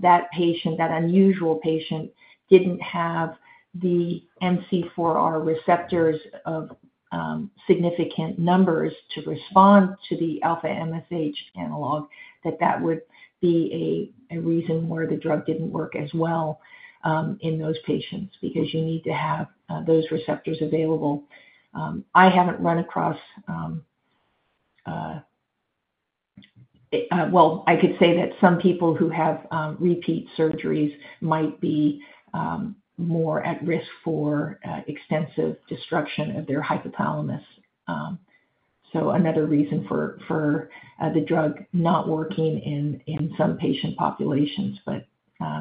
that patient, that unusual patient, did not have the MC4R receptors of significant numbers to respond to the alpha MSH analog, that that would be a reason why the drug did not work as well in those patients, because you need to have those receptors available. I have not run across, well, I could say that some people who have repeat surgeries might be more at risk for extensive destruction of their hypothalamus. Another reason for the drug not working in some patient populations, but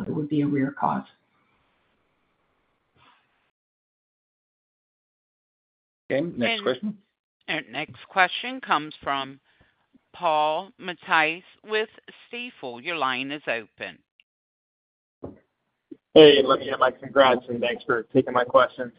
it would be a rare cause. Okay. Next question. Next question comes from Paul Matteis with Stifel. Your line is open. Hey, congrats and thanks for taking my question.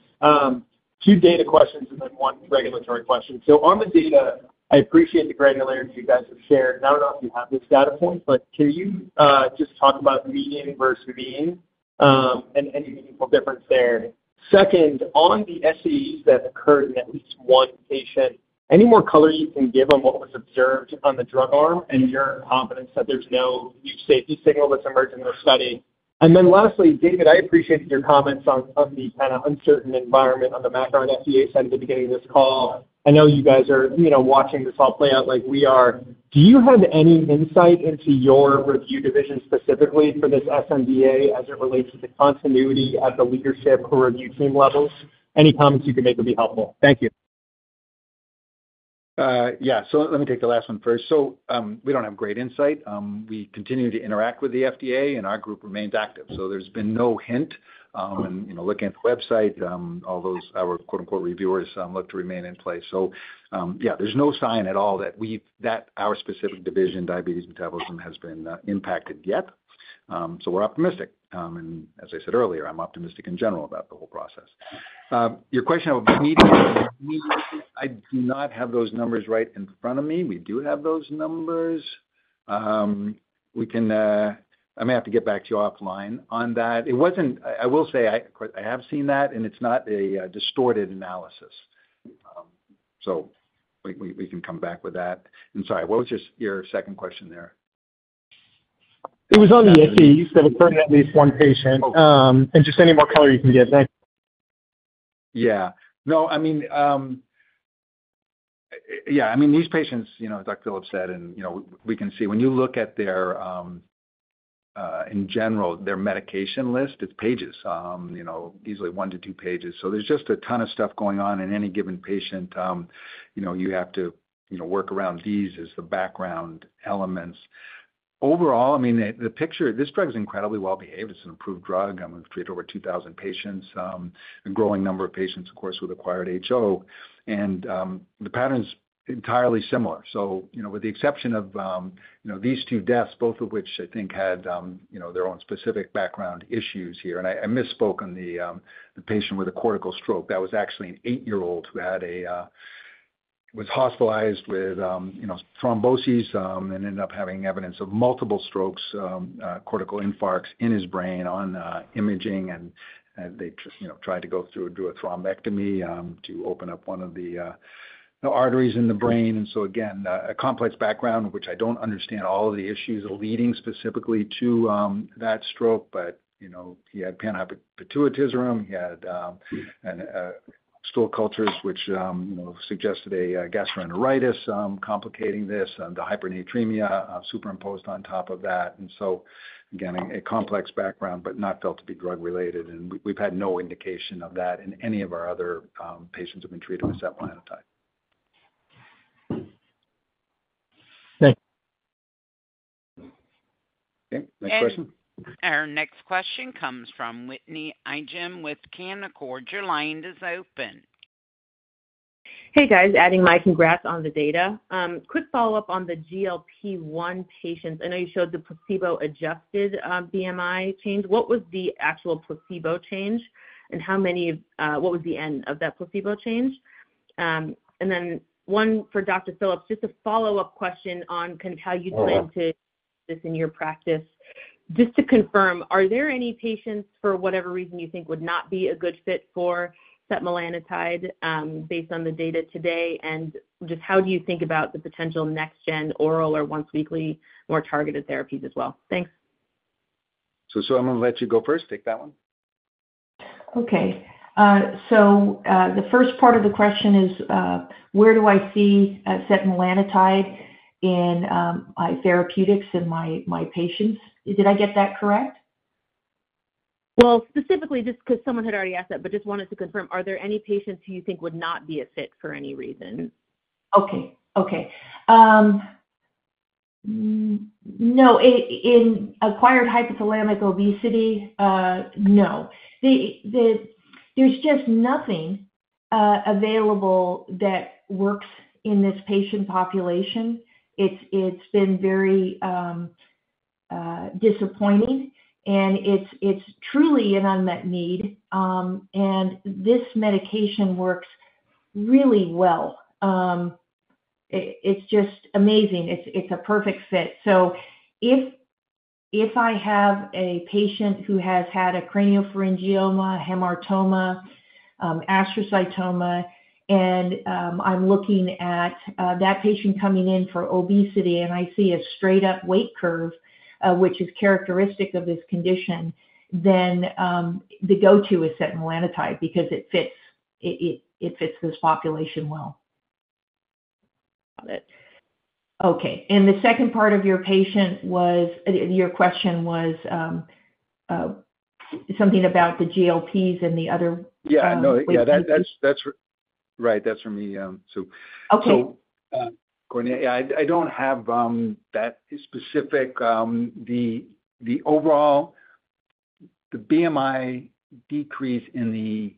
Two data questions and then one regulatory question. On the data, I appreciate the granularity you guys have shared. I don't know if you have this data point, but can you just talk about median versus mean and any meaningful difference there? Second, on the SEEs that occurred in at least one patient, any more color you can give on what was observed on the drug arm and your confidence that there's no new safety signal that's emerged in this study? Lastly, David, I appreciate your comments on the kind of uncertain environment on the Macron FDA side at the beginning of this call. I know you guys are watching this all play out like we are. Do you have any insight into your review division specifically for this sNDA as it relates to the continuity at the leadership or review team levels? Any comments you can make would be helpful. Thank you. Yeah. Let me take the last one first. We do not have great insight. We continue to interact with the FDA, and our group remains active. There has been no hint. Looking at the website, all our "reviewers" look to remain in place. There is no sign at all that our specific division, diabetes metabolism, has been impacted yet. We are optimistic. As I said earlier, I am optimistic in general about the whole process. Your question about median, I do not have those numbers right in front of me. We do have those numbers. I may have to get back to you offline on that. I will say, of course, I have seen that, and it is not a distorted analysis. We can come back with that. Sorry, what was your second question there? It was on the SEEs that occurred in at least one patient. Just any more color you can give. Thanks. Yeah. No. I mean, yeah, I mean, these patients, as Dr. Phillips said, and we can see when you look at their, in general, their medication list, it's pages, easily one to two pages. There's just a ton of stuff going on in any given patient. You have to work around these as the background elements. Overall, I mean, this drug is incredibly well-behaved. It's an improved drug. We've treated over 2,000 patients, a growing number of patients, of course, who've acquired HO. The pattern's entirely similar, with the exception of these two deaths, both of which I think had their own specific background issues here. I misspoke on the patient with a cortical stroke. That was actually an eight-year-old who was hospitalized with thromboses and ended up having evidence of multiple strokes, cortical infarcts in his brain on imaging. They tried to go through and do a thrombectomy to open up one of the arteries in the brain. Again, a complex background, which I do not understand all of the issues leading specifically to that stroke. He had panhypopituitarism. He had stool cultures, which suggested a gastroenteritis complicating this, and the hyponatremia superimposed on top of that. Again, a complex background, but not felt to be drug-related. We have had no indication of that in any of our other patients who have been treated with setmelanotide. Thanks. Okay. Next question. Our next question comes from Whitney Ijem with Canaccord. Your line is open. Hey, guys. Adding my congrats on the data. Quick follow-up on the GLP-1 patients. I know you showed the placebo-adjusted BMI change. What was the actual placebo change, and what was the end of that placebo change? One for Dr. Phillips, just a follow-up question on kind of how you plan to do this in your practice. Just to confirm, are there any patients, for whatever reason, you think would not be a good fit for setmelanotide based on the data today? Just how do you think about the potential next-gen oral or once-weekly more targeted therapies as well? Thanks. I'm going to let you go first. Take that one. Okay. The first part of the question is, where do I see setmelanotide in my therapeutics in my patients? Did I get that correct? Specifically, just because someone had already asked that, but just wanted to confirm, are there any patients who you think would not be a fit for any reason? Okay. Okay. No. In acquired hypothalamic obesity, no. There is just nothing available that works in this patient population. It has been very disappointing, and it is truly an unmet need. And this medication works really well. It is just amazing. It is a perfect fit. If I have a patient who has had a craniopharyngioma, hamartoma, astrocytoma, and I am looking at that patient coming in for obesity, and I see a straight-up weight curve, which is characteristic of this condition, then the go-to is setmelanotide because it fits this population well. Got it. Okay. The second part of your question was something about the GLPs and the other? Yeah. No. Yeah. Right. That is for me. Yeah, I do not have that specific. The overall BMI decrease in the,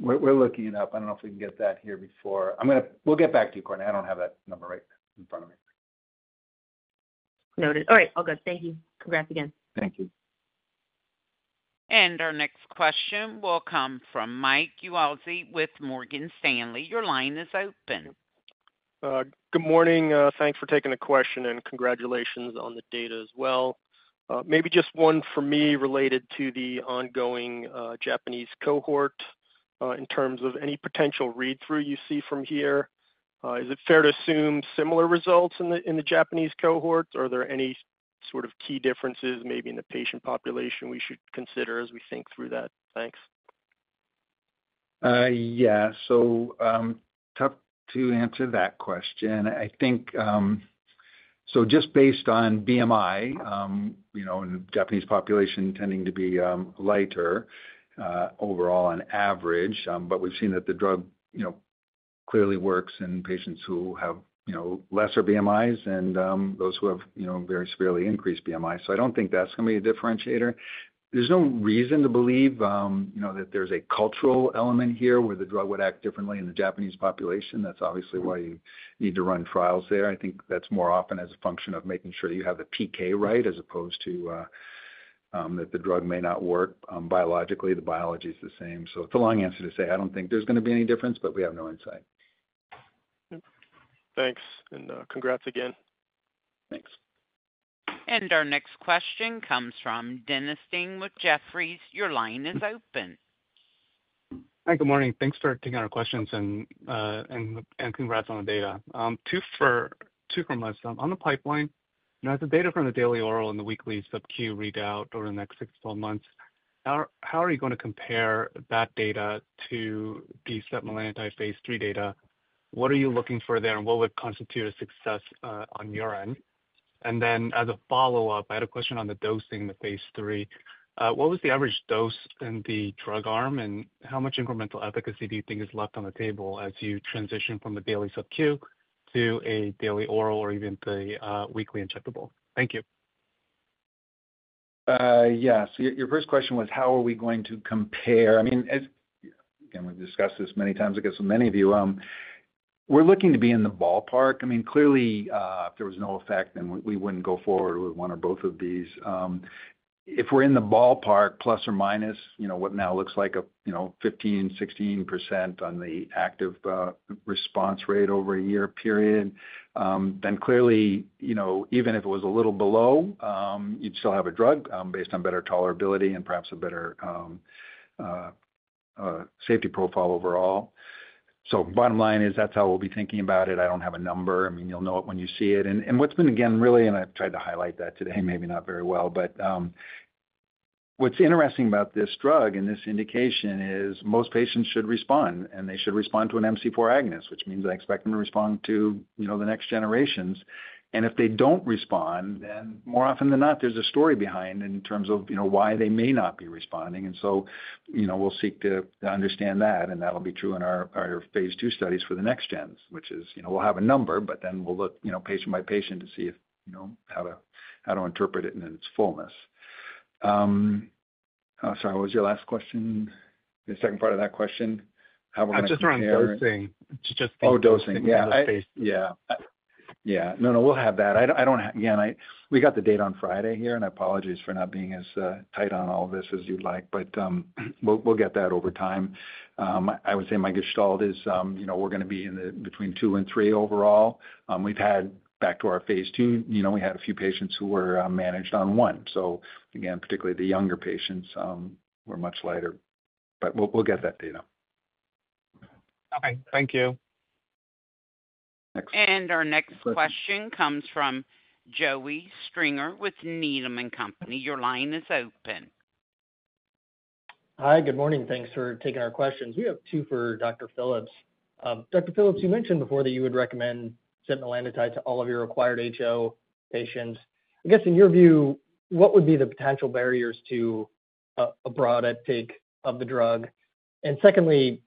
we're looking it up. I don't know if we can get that here before. We'll get back to you, Whitney. I don't have that number right in front of me. Noted. All right. All good. Thank you. Congrats again. Thank you. Our next question will come from Mike Ualtzi with Morgan Stanley. Your line is open. Good morning. Thanks for taking the question, and congratulations on the data as well. Maybe just one for me related to the ongoing Japanese cohort in terms of any potential read-through you see from here. Is it fair to assume similar results in the Japanese cohort? Are there any sort of key differences maybe in the patient population we should consider as we think through that? Thanks. Yeah. Tough to answer that question. Just based on BMI, the Japanese population tending to be lighter overall on average. We have seen that the drug clearly works in patients who have lesser BMIs and those who have very severely increased BMI. I do not think that is going to be a differentiator. There is no reason to believe that there is a cultural element here where the drug would act differently in the Japanese population. That is obviously why you need to run trials there. I think that is more often as a function of making sure you have the PK right as opposed to that the drug may not work biologically. The biology is the same. It is a long answer to say I do not think there is going to be any difference, but we have no insight. Thanks. Congrats again. Thanks. Our next question comes from Dennis Ding with Jeffries. Your line is open. Hi. Good morning. Thanks for taking our questions, and congrats on the data. Two from us. On the pipeline, the data from the daily oral and the weekly subq readout over the next six to 12 months, how are you going to compare that data to the setmelanotide phase II data? What are you looking for there, and what would constitute a success on your end? As a follow-up, I had a question on the dosing in the phase III. What was the average dose in the drug arm, and how much incremental efficacy do you think is left on the table as you transition from the daily subq to a daily oral or even the weekly injectable? Thank you. Yeah. Your first question was, how are we going to compare? I mean, again, we've discussed this many times, I guess, with many of you. We're looking to be in the ballpark. I mean, clearly, if there was no effect, then we wouldn't go forward with one or both of these. If we're in the ballpark, plus or minus what now looks like 15%-16% on the active response rate over a year period, then clearly, even if it was a little below, you'd still have a drug based on better tolerability and perhaps a better safety profile overall. Bottom line is that's how we'll be thinking about it. I don't have a number. I mean, you'll know it when you see it. What's been, again, really—and I've tried to highlight that today, maybe not very well—but what's interesting about this drug and this indication is most patients should respond, and they should respond to an MC4 agonist, which means I expect them to respond to the next generations. If they do not respond, more often than not, there is a story behind in terms of why they may not be responding. We will seek to understand that, and that will be true in our phase II studies for the next gens, which is we will have a number, but then we will look patient by patient to see how to interpret it in its fullness. Sorry, what was your last question? The second part of that question? How we are going to compare? I am just on dosing. Just thinking about phase. Oh, dosing. Yes. Yes. Yes. No, we will have that. Again, we got the date on Friday here, and I apologize for not being as tight on all this as you would like, but we will get that over time. I would say my gestalt is we are going to be between two and three overall. We've had back to our phase 2, we had a few patients who were managed on one. Particularly the younger patients were much lighter. We'll get that data. Okay. Thank you. Our next question comes from Joey Stringer with Needham & Company. Your line is open. Hi. Good morning. Thanks for taking our questions. We have two for Dr. Phillips. Dr. Phillips, you mentioned before that you would recommend setmelanotide to all of your acquired HO patients. I guess in your view, what would be the potential barriers to a broad uptake of the drug? Secondly,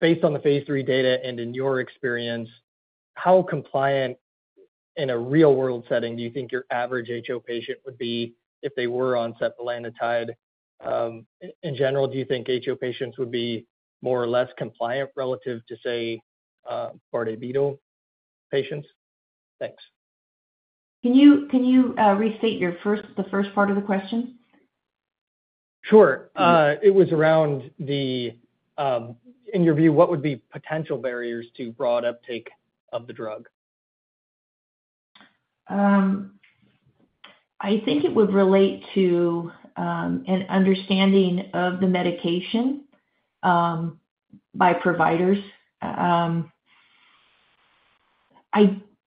based on the phase III data and in your experience, how compliant in a real-world setting do you think your average HO patient would be if they were on setmelanotide? In general, do you think HO patients would be more or less compliant relative to, say, bariatric patients? Thanks. Can you restate the first part of the question? Sure. It was around the, in your view, what would be potential barriers to broad uptake of the drug? I think it would relate to an understanding of the medication by providers. I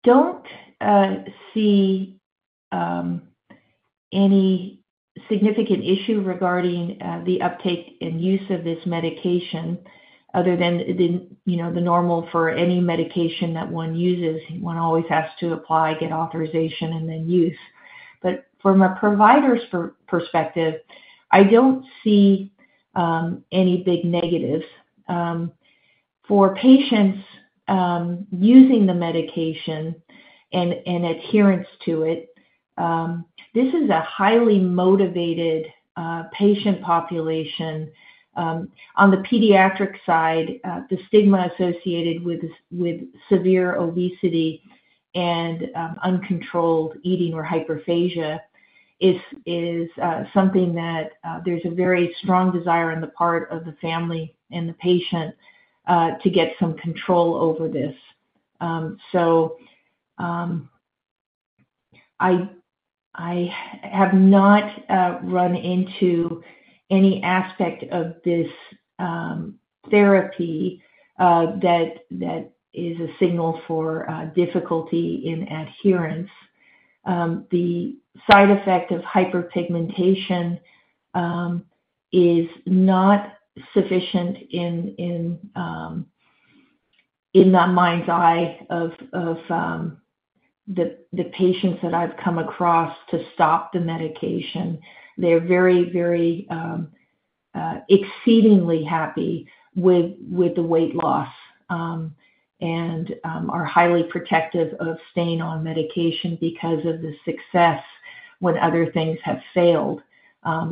do not see any significant issue regarding the uptake and use of this medication other than the normal for any medication that one uses. One always has to apply, get authorization, and then use. From a provider's perspective, I do not see any big negatives. For patients using the medication and adherence to it, this is a highly motivated patient population. On the pediatric side, the stigma associated with severe obesity and uncontrolled eating or hyperphagia is something that there is a very strong desire on the part of the family and the patient to get some control over this. I have not run into any aspect of this therapy that is a signal for difficulty in adherence. The side effect of hyperpigmentation is not sufficient in the mind's eye of the patients that I've come across to stop the medication. They're very, very exceedingly happy with the weight loss and are highly protective of staying on medication because of the success when other things have failed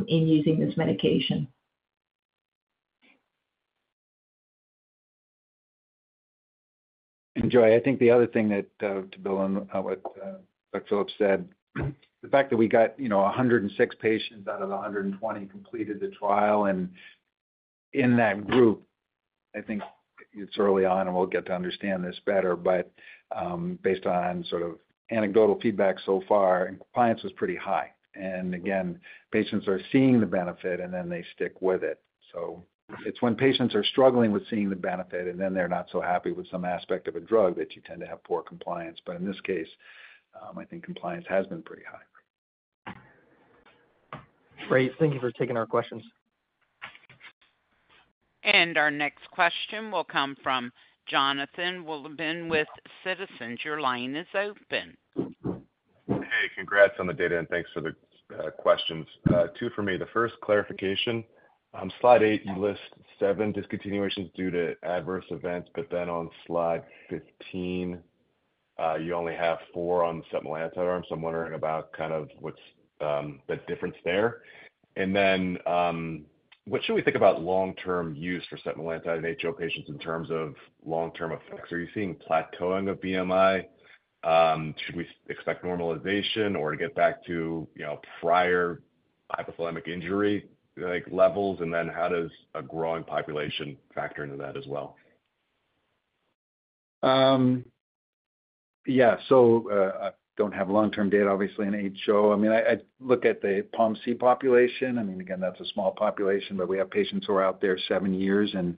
in using this medication. Joey, I think the other thing to build on what Dr. Phillips said, the fact that we got 106 patients out of the 120 completed the trial. In that group, I think it's early on, and we'll get to understand this better, but based on sort of anecdotal feedback so far, compliance was pretty high. Again, patients are seeing the benefit, and then they stick with it. It's when patients are struggling with seeing the benefit, and then they're not so happy with some aspect of a drug that you tend to have poor compliance. In this case, I think compliance has been pretty high. Great. Thank you for taking our questions. Our next question will come from Jonathan Wolleben with Citizens. Your line is open. Hey, congrats on the data, and thanks for the questions. Two for me. The first clarification, slide eight, you list seven discontinuations due to adverse events, but then on slide 15, you only have four on setmelanotide arm. I'm wondering about kind of what's the difference there. What should we think about long-term use for setmelanotide in HO patients in terms of long-term effects? Are you seeing plateauing of BMI? Should we expect normalization or get back to prior hypothalamic injury levels? How does a growing population factor into that as well? Yeah. I don't have long-term data, obviously, in HO. I look at the POMC population. Again, that's a small population, but we have patients who are out there seven years and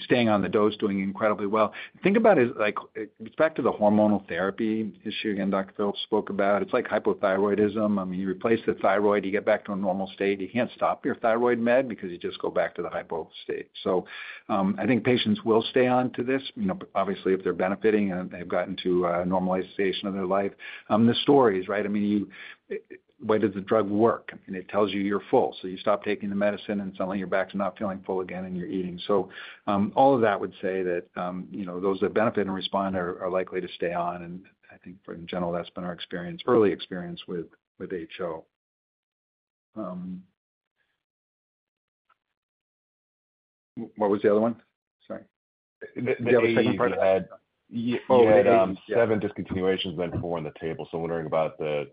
staying on the dose, doing incredibly well. Think about it with respect to the hormonal therapy issue again Dr. Phillips spoke about. It's like hypothyroidism. You replace the thyroid, you get back to a normal state. You can't stop your thyroid med because you just go back to the hypo state. I think patients will stay on to this, obviously, if they're benefiting and they've gotten to a normalization of their life. The stories, right? Why does the drug work? It tells you you're full. You stop taking the medicine, and suddenly you're back to not feeling full again, and you're eating. All of that would say that those that benefit and respond are likely to stay on. I think, in general, that's been our early experience with HO. What was the other one? Sorry. The other segment part? Oh, you had seven discontinuations, then four on the table. I'm wondering about the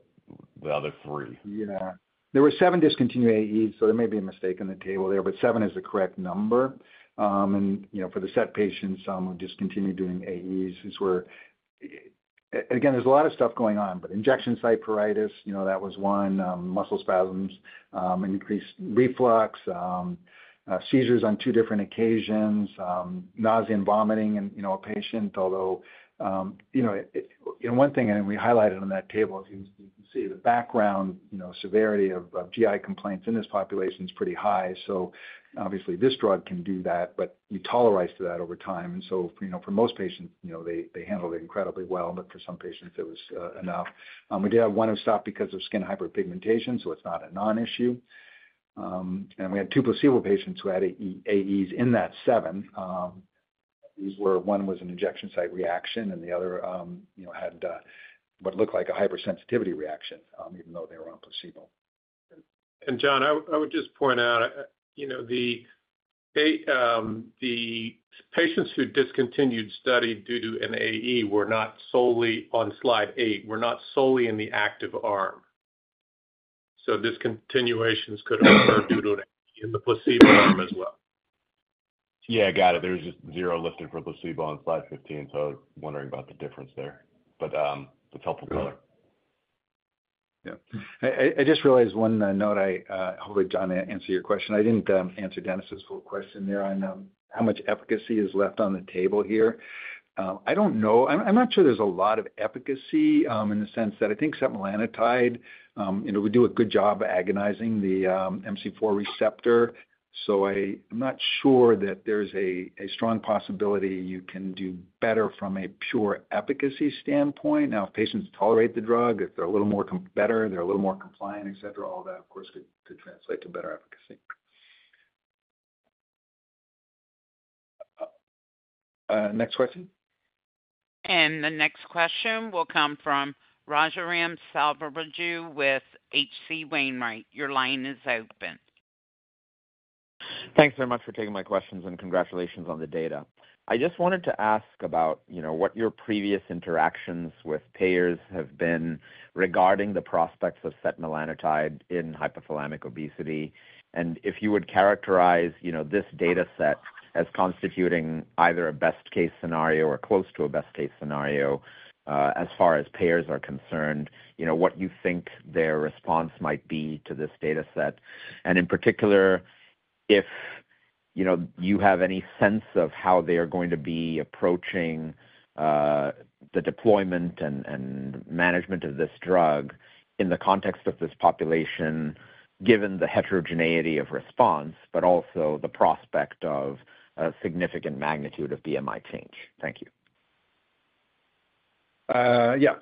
other three. Yeah. There were sevenn discontinued AEs, so there may be a mistake on the table there, but seven is the correct number. For the set patients, some who discontinued due to AEs is where again, there's a lot of stuff going on, but injection site pruritus, that was one, muscle spasms, increased reflux, seizures on two different occasions, nausea and vomiting in a patient, although one thing we highlighted on that table, as you can see, the background severity of GI complaints in this population is pretty high. Obviously, this drug can do that, but you tolerize to that over time. For most patients, they handled it incredibly well, but for some patients, it was enough. We did have one who stopped because of skin hyperpigmentation, so it's not a non-issue. We had two placebo patients who had AEs in that seven. One was an injection site reaction, and the other had what looked like a hypersensitivity reaction, even though they were on placebo. John, I would just point out the patients who discontinued study due to an AE were not solely on slide eight, were not solely in the active arm. Discontinuations could occur due to an AE in the placebo arm as well. Yeah. Got it. There was just zero listed for placebo on slide 15, so I was wondering about the difference there. It's helpful to know. Yeah. I just realized one note. I hope I got to answer your question. I didn't answer Dennis's question there on how much efficacy is left on the table here. I don't know. I'm not sure there's a lot of efficacy in the sense that I think setmelanotide, we do a good job agonizing the MC4 receptor. I'm not sure that there's a strong possibility you can do better from a pure efficacy standpoint. Now, if patients tolerate the drug, if they're a little better, they're a little more compliant, etc., all that, of course, could translate to better efficacy. Next question? The next question will come from Raghuram Selvaraju with H.C. Wainwright. Your line is open. Thanks very much for taking my questions, and congratulations on the data. I just wanted to ask about what your previous interactions with payers have been regarding the prospects of setmelanotide in hypothalamic obesity. If you would characterize this dataset as constituting either a best-case scenario or close to a best-case scenario as far as payers are concerned, what you think their response might be to this dataset. If you have any sense of how they are going to be approaching the deployment and management of this drug in the context of this population, given the heterogeneity of response, but also the prospect of a significant magnitude of BMI change. Thank you. Yeah.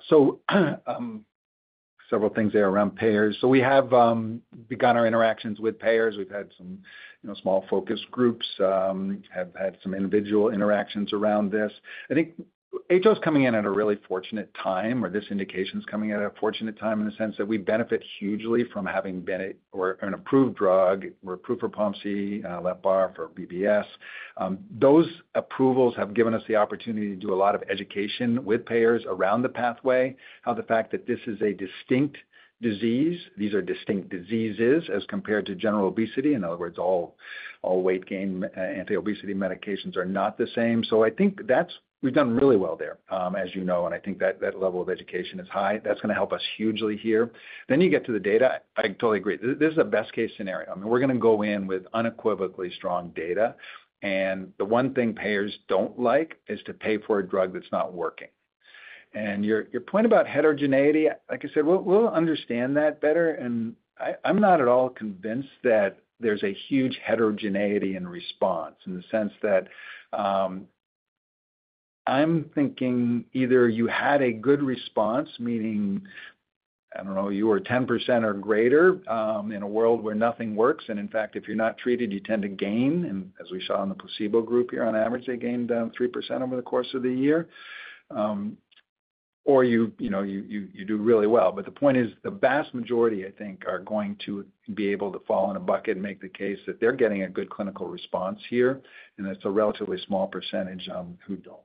Several things there around payers. We have begun our interactions with payers. We have had some small focus groups, have had some individual interactions around this. I think HO is coming in at a really fortunate time, or this indication is coming at a fortunate time in the sense that we benefit hugely from having been an approved drug. We are approved for POMC, LEPBAR, for BBS. Those approvals have given us the opportunity to do a lot of education with payers around the pathway, how the fact that this is a distinct disease, these are distinct diseases as compared to general obesity. In other words, all weight gain anti-obesity medications are not the same. I think we've done really well there, as you know, and I think that level of education is high. That is going to help us hugely here. You get to the data. I totally agree. This is a best-case scenario. I mean, we're going to go in with unequivocally strong data. The one thing payers do not like is to pay for a drug that is not working. Your point about heterogeneity, like I said, we will understand that better. I'm not at all convinced that there's a huge heterogeneity in response in the sense that I'm thinking either you had a good response, meaning, I don't know, you were 10% or greater in a world where nothing works. In fact, if you're not treated, you tend to gain. As we saw in the placebo group here, on average, they gained 3% over the course of the year. You do really well. The point is the vast majority, I think, are going to be able to fall in a bucket and make the case that they're getting a good clinical response here. It's a relatively small percentage who don't.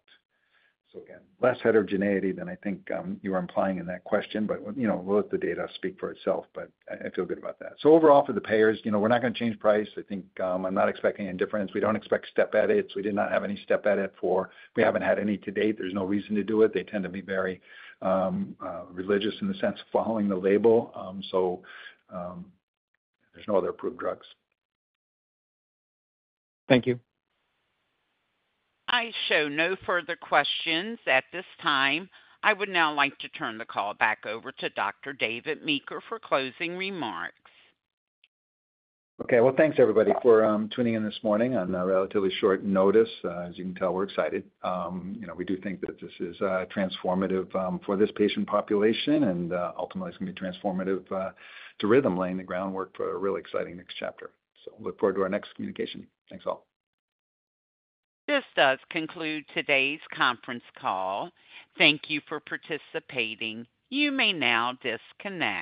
Again, less heterogeneity than I think you were implying in that question, but both the data speak for itself. I feel good about that. Overall, for the payers, we're not going to change price. I think I'm not expecting any difference. We don't expect step edits. We did not have any step edit for we haven't had any to date. There's no reason to do it. They tend to be very religious in the sense of following the label. There's no other approved drugs. Thank you. I show no further questions at this time. I would now like to turn the call back over to Dr. David Meeker for closing remarks. Okay. Thanks, everybody, for tuning in this morning on relatively short notice. As you can tell, we're excited. We do think that this is transformative for this patient population, and ultimately, it's going to be transformative to Rhythm, laying the groundwork for a really exciting next chapter. Look forward to our next communication. Thanks all. This does conclude today's conference call. Thank you for participating. You may now disconnect.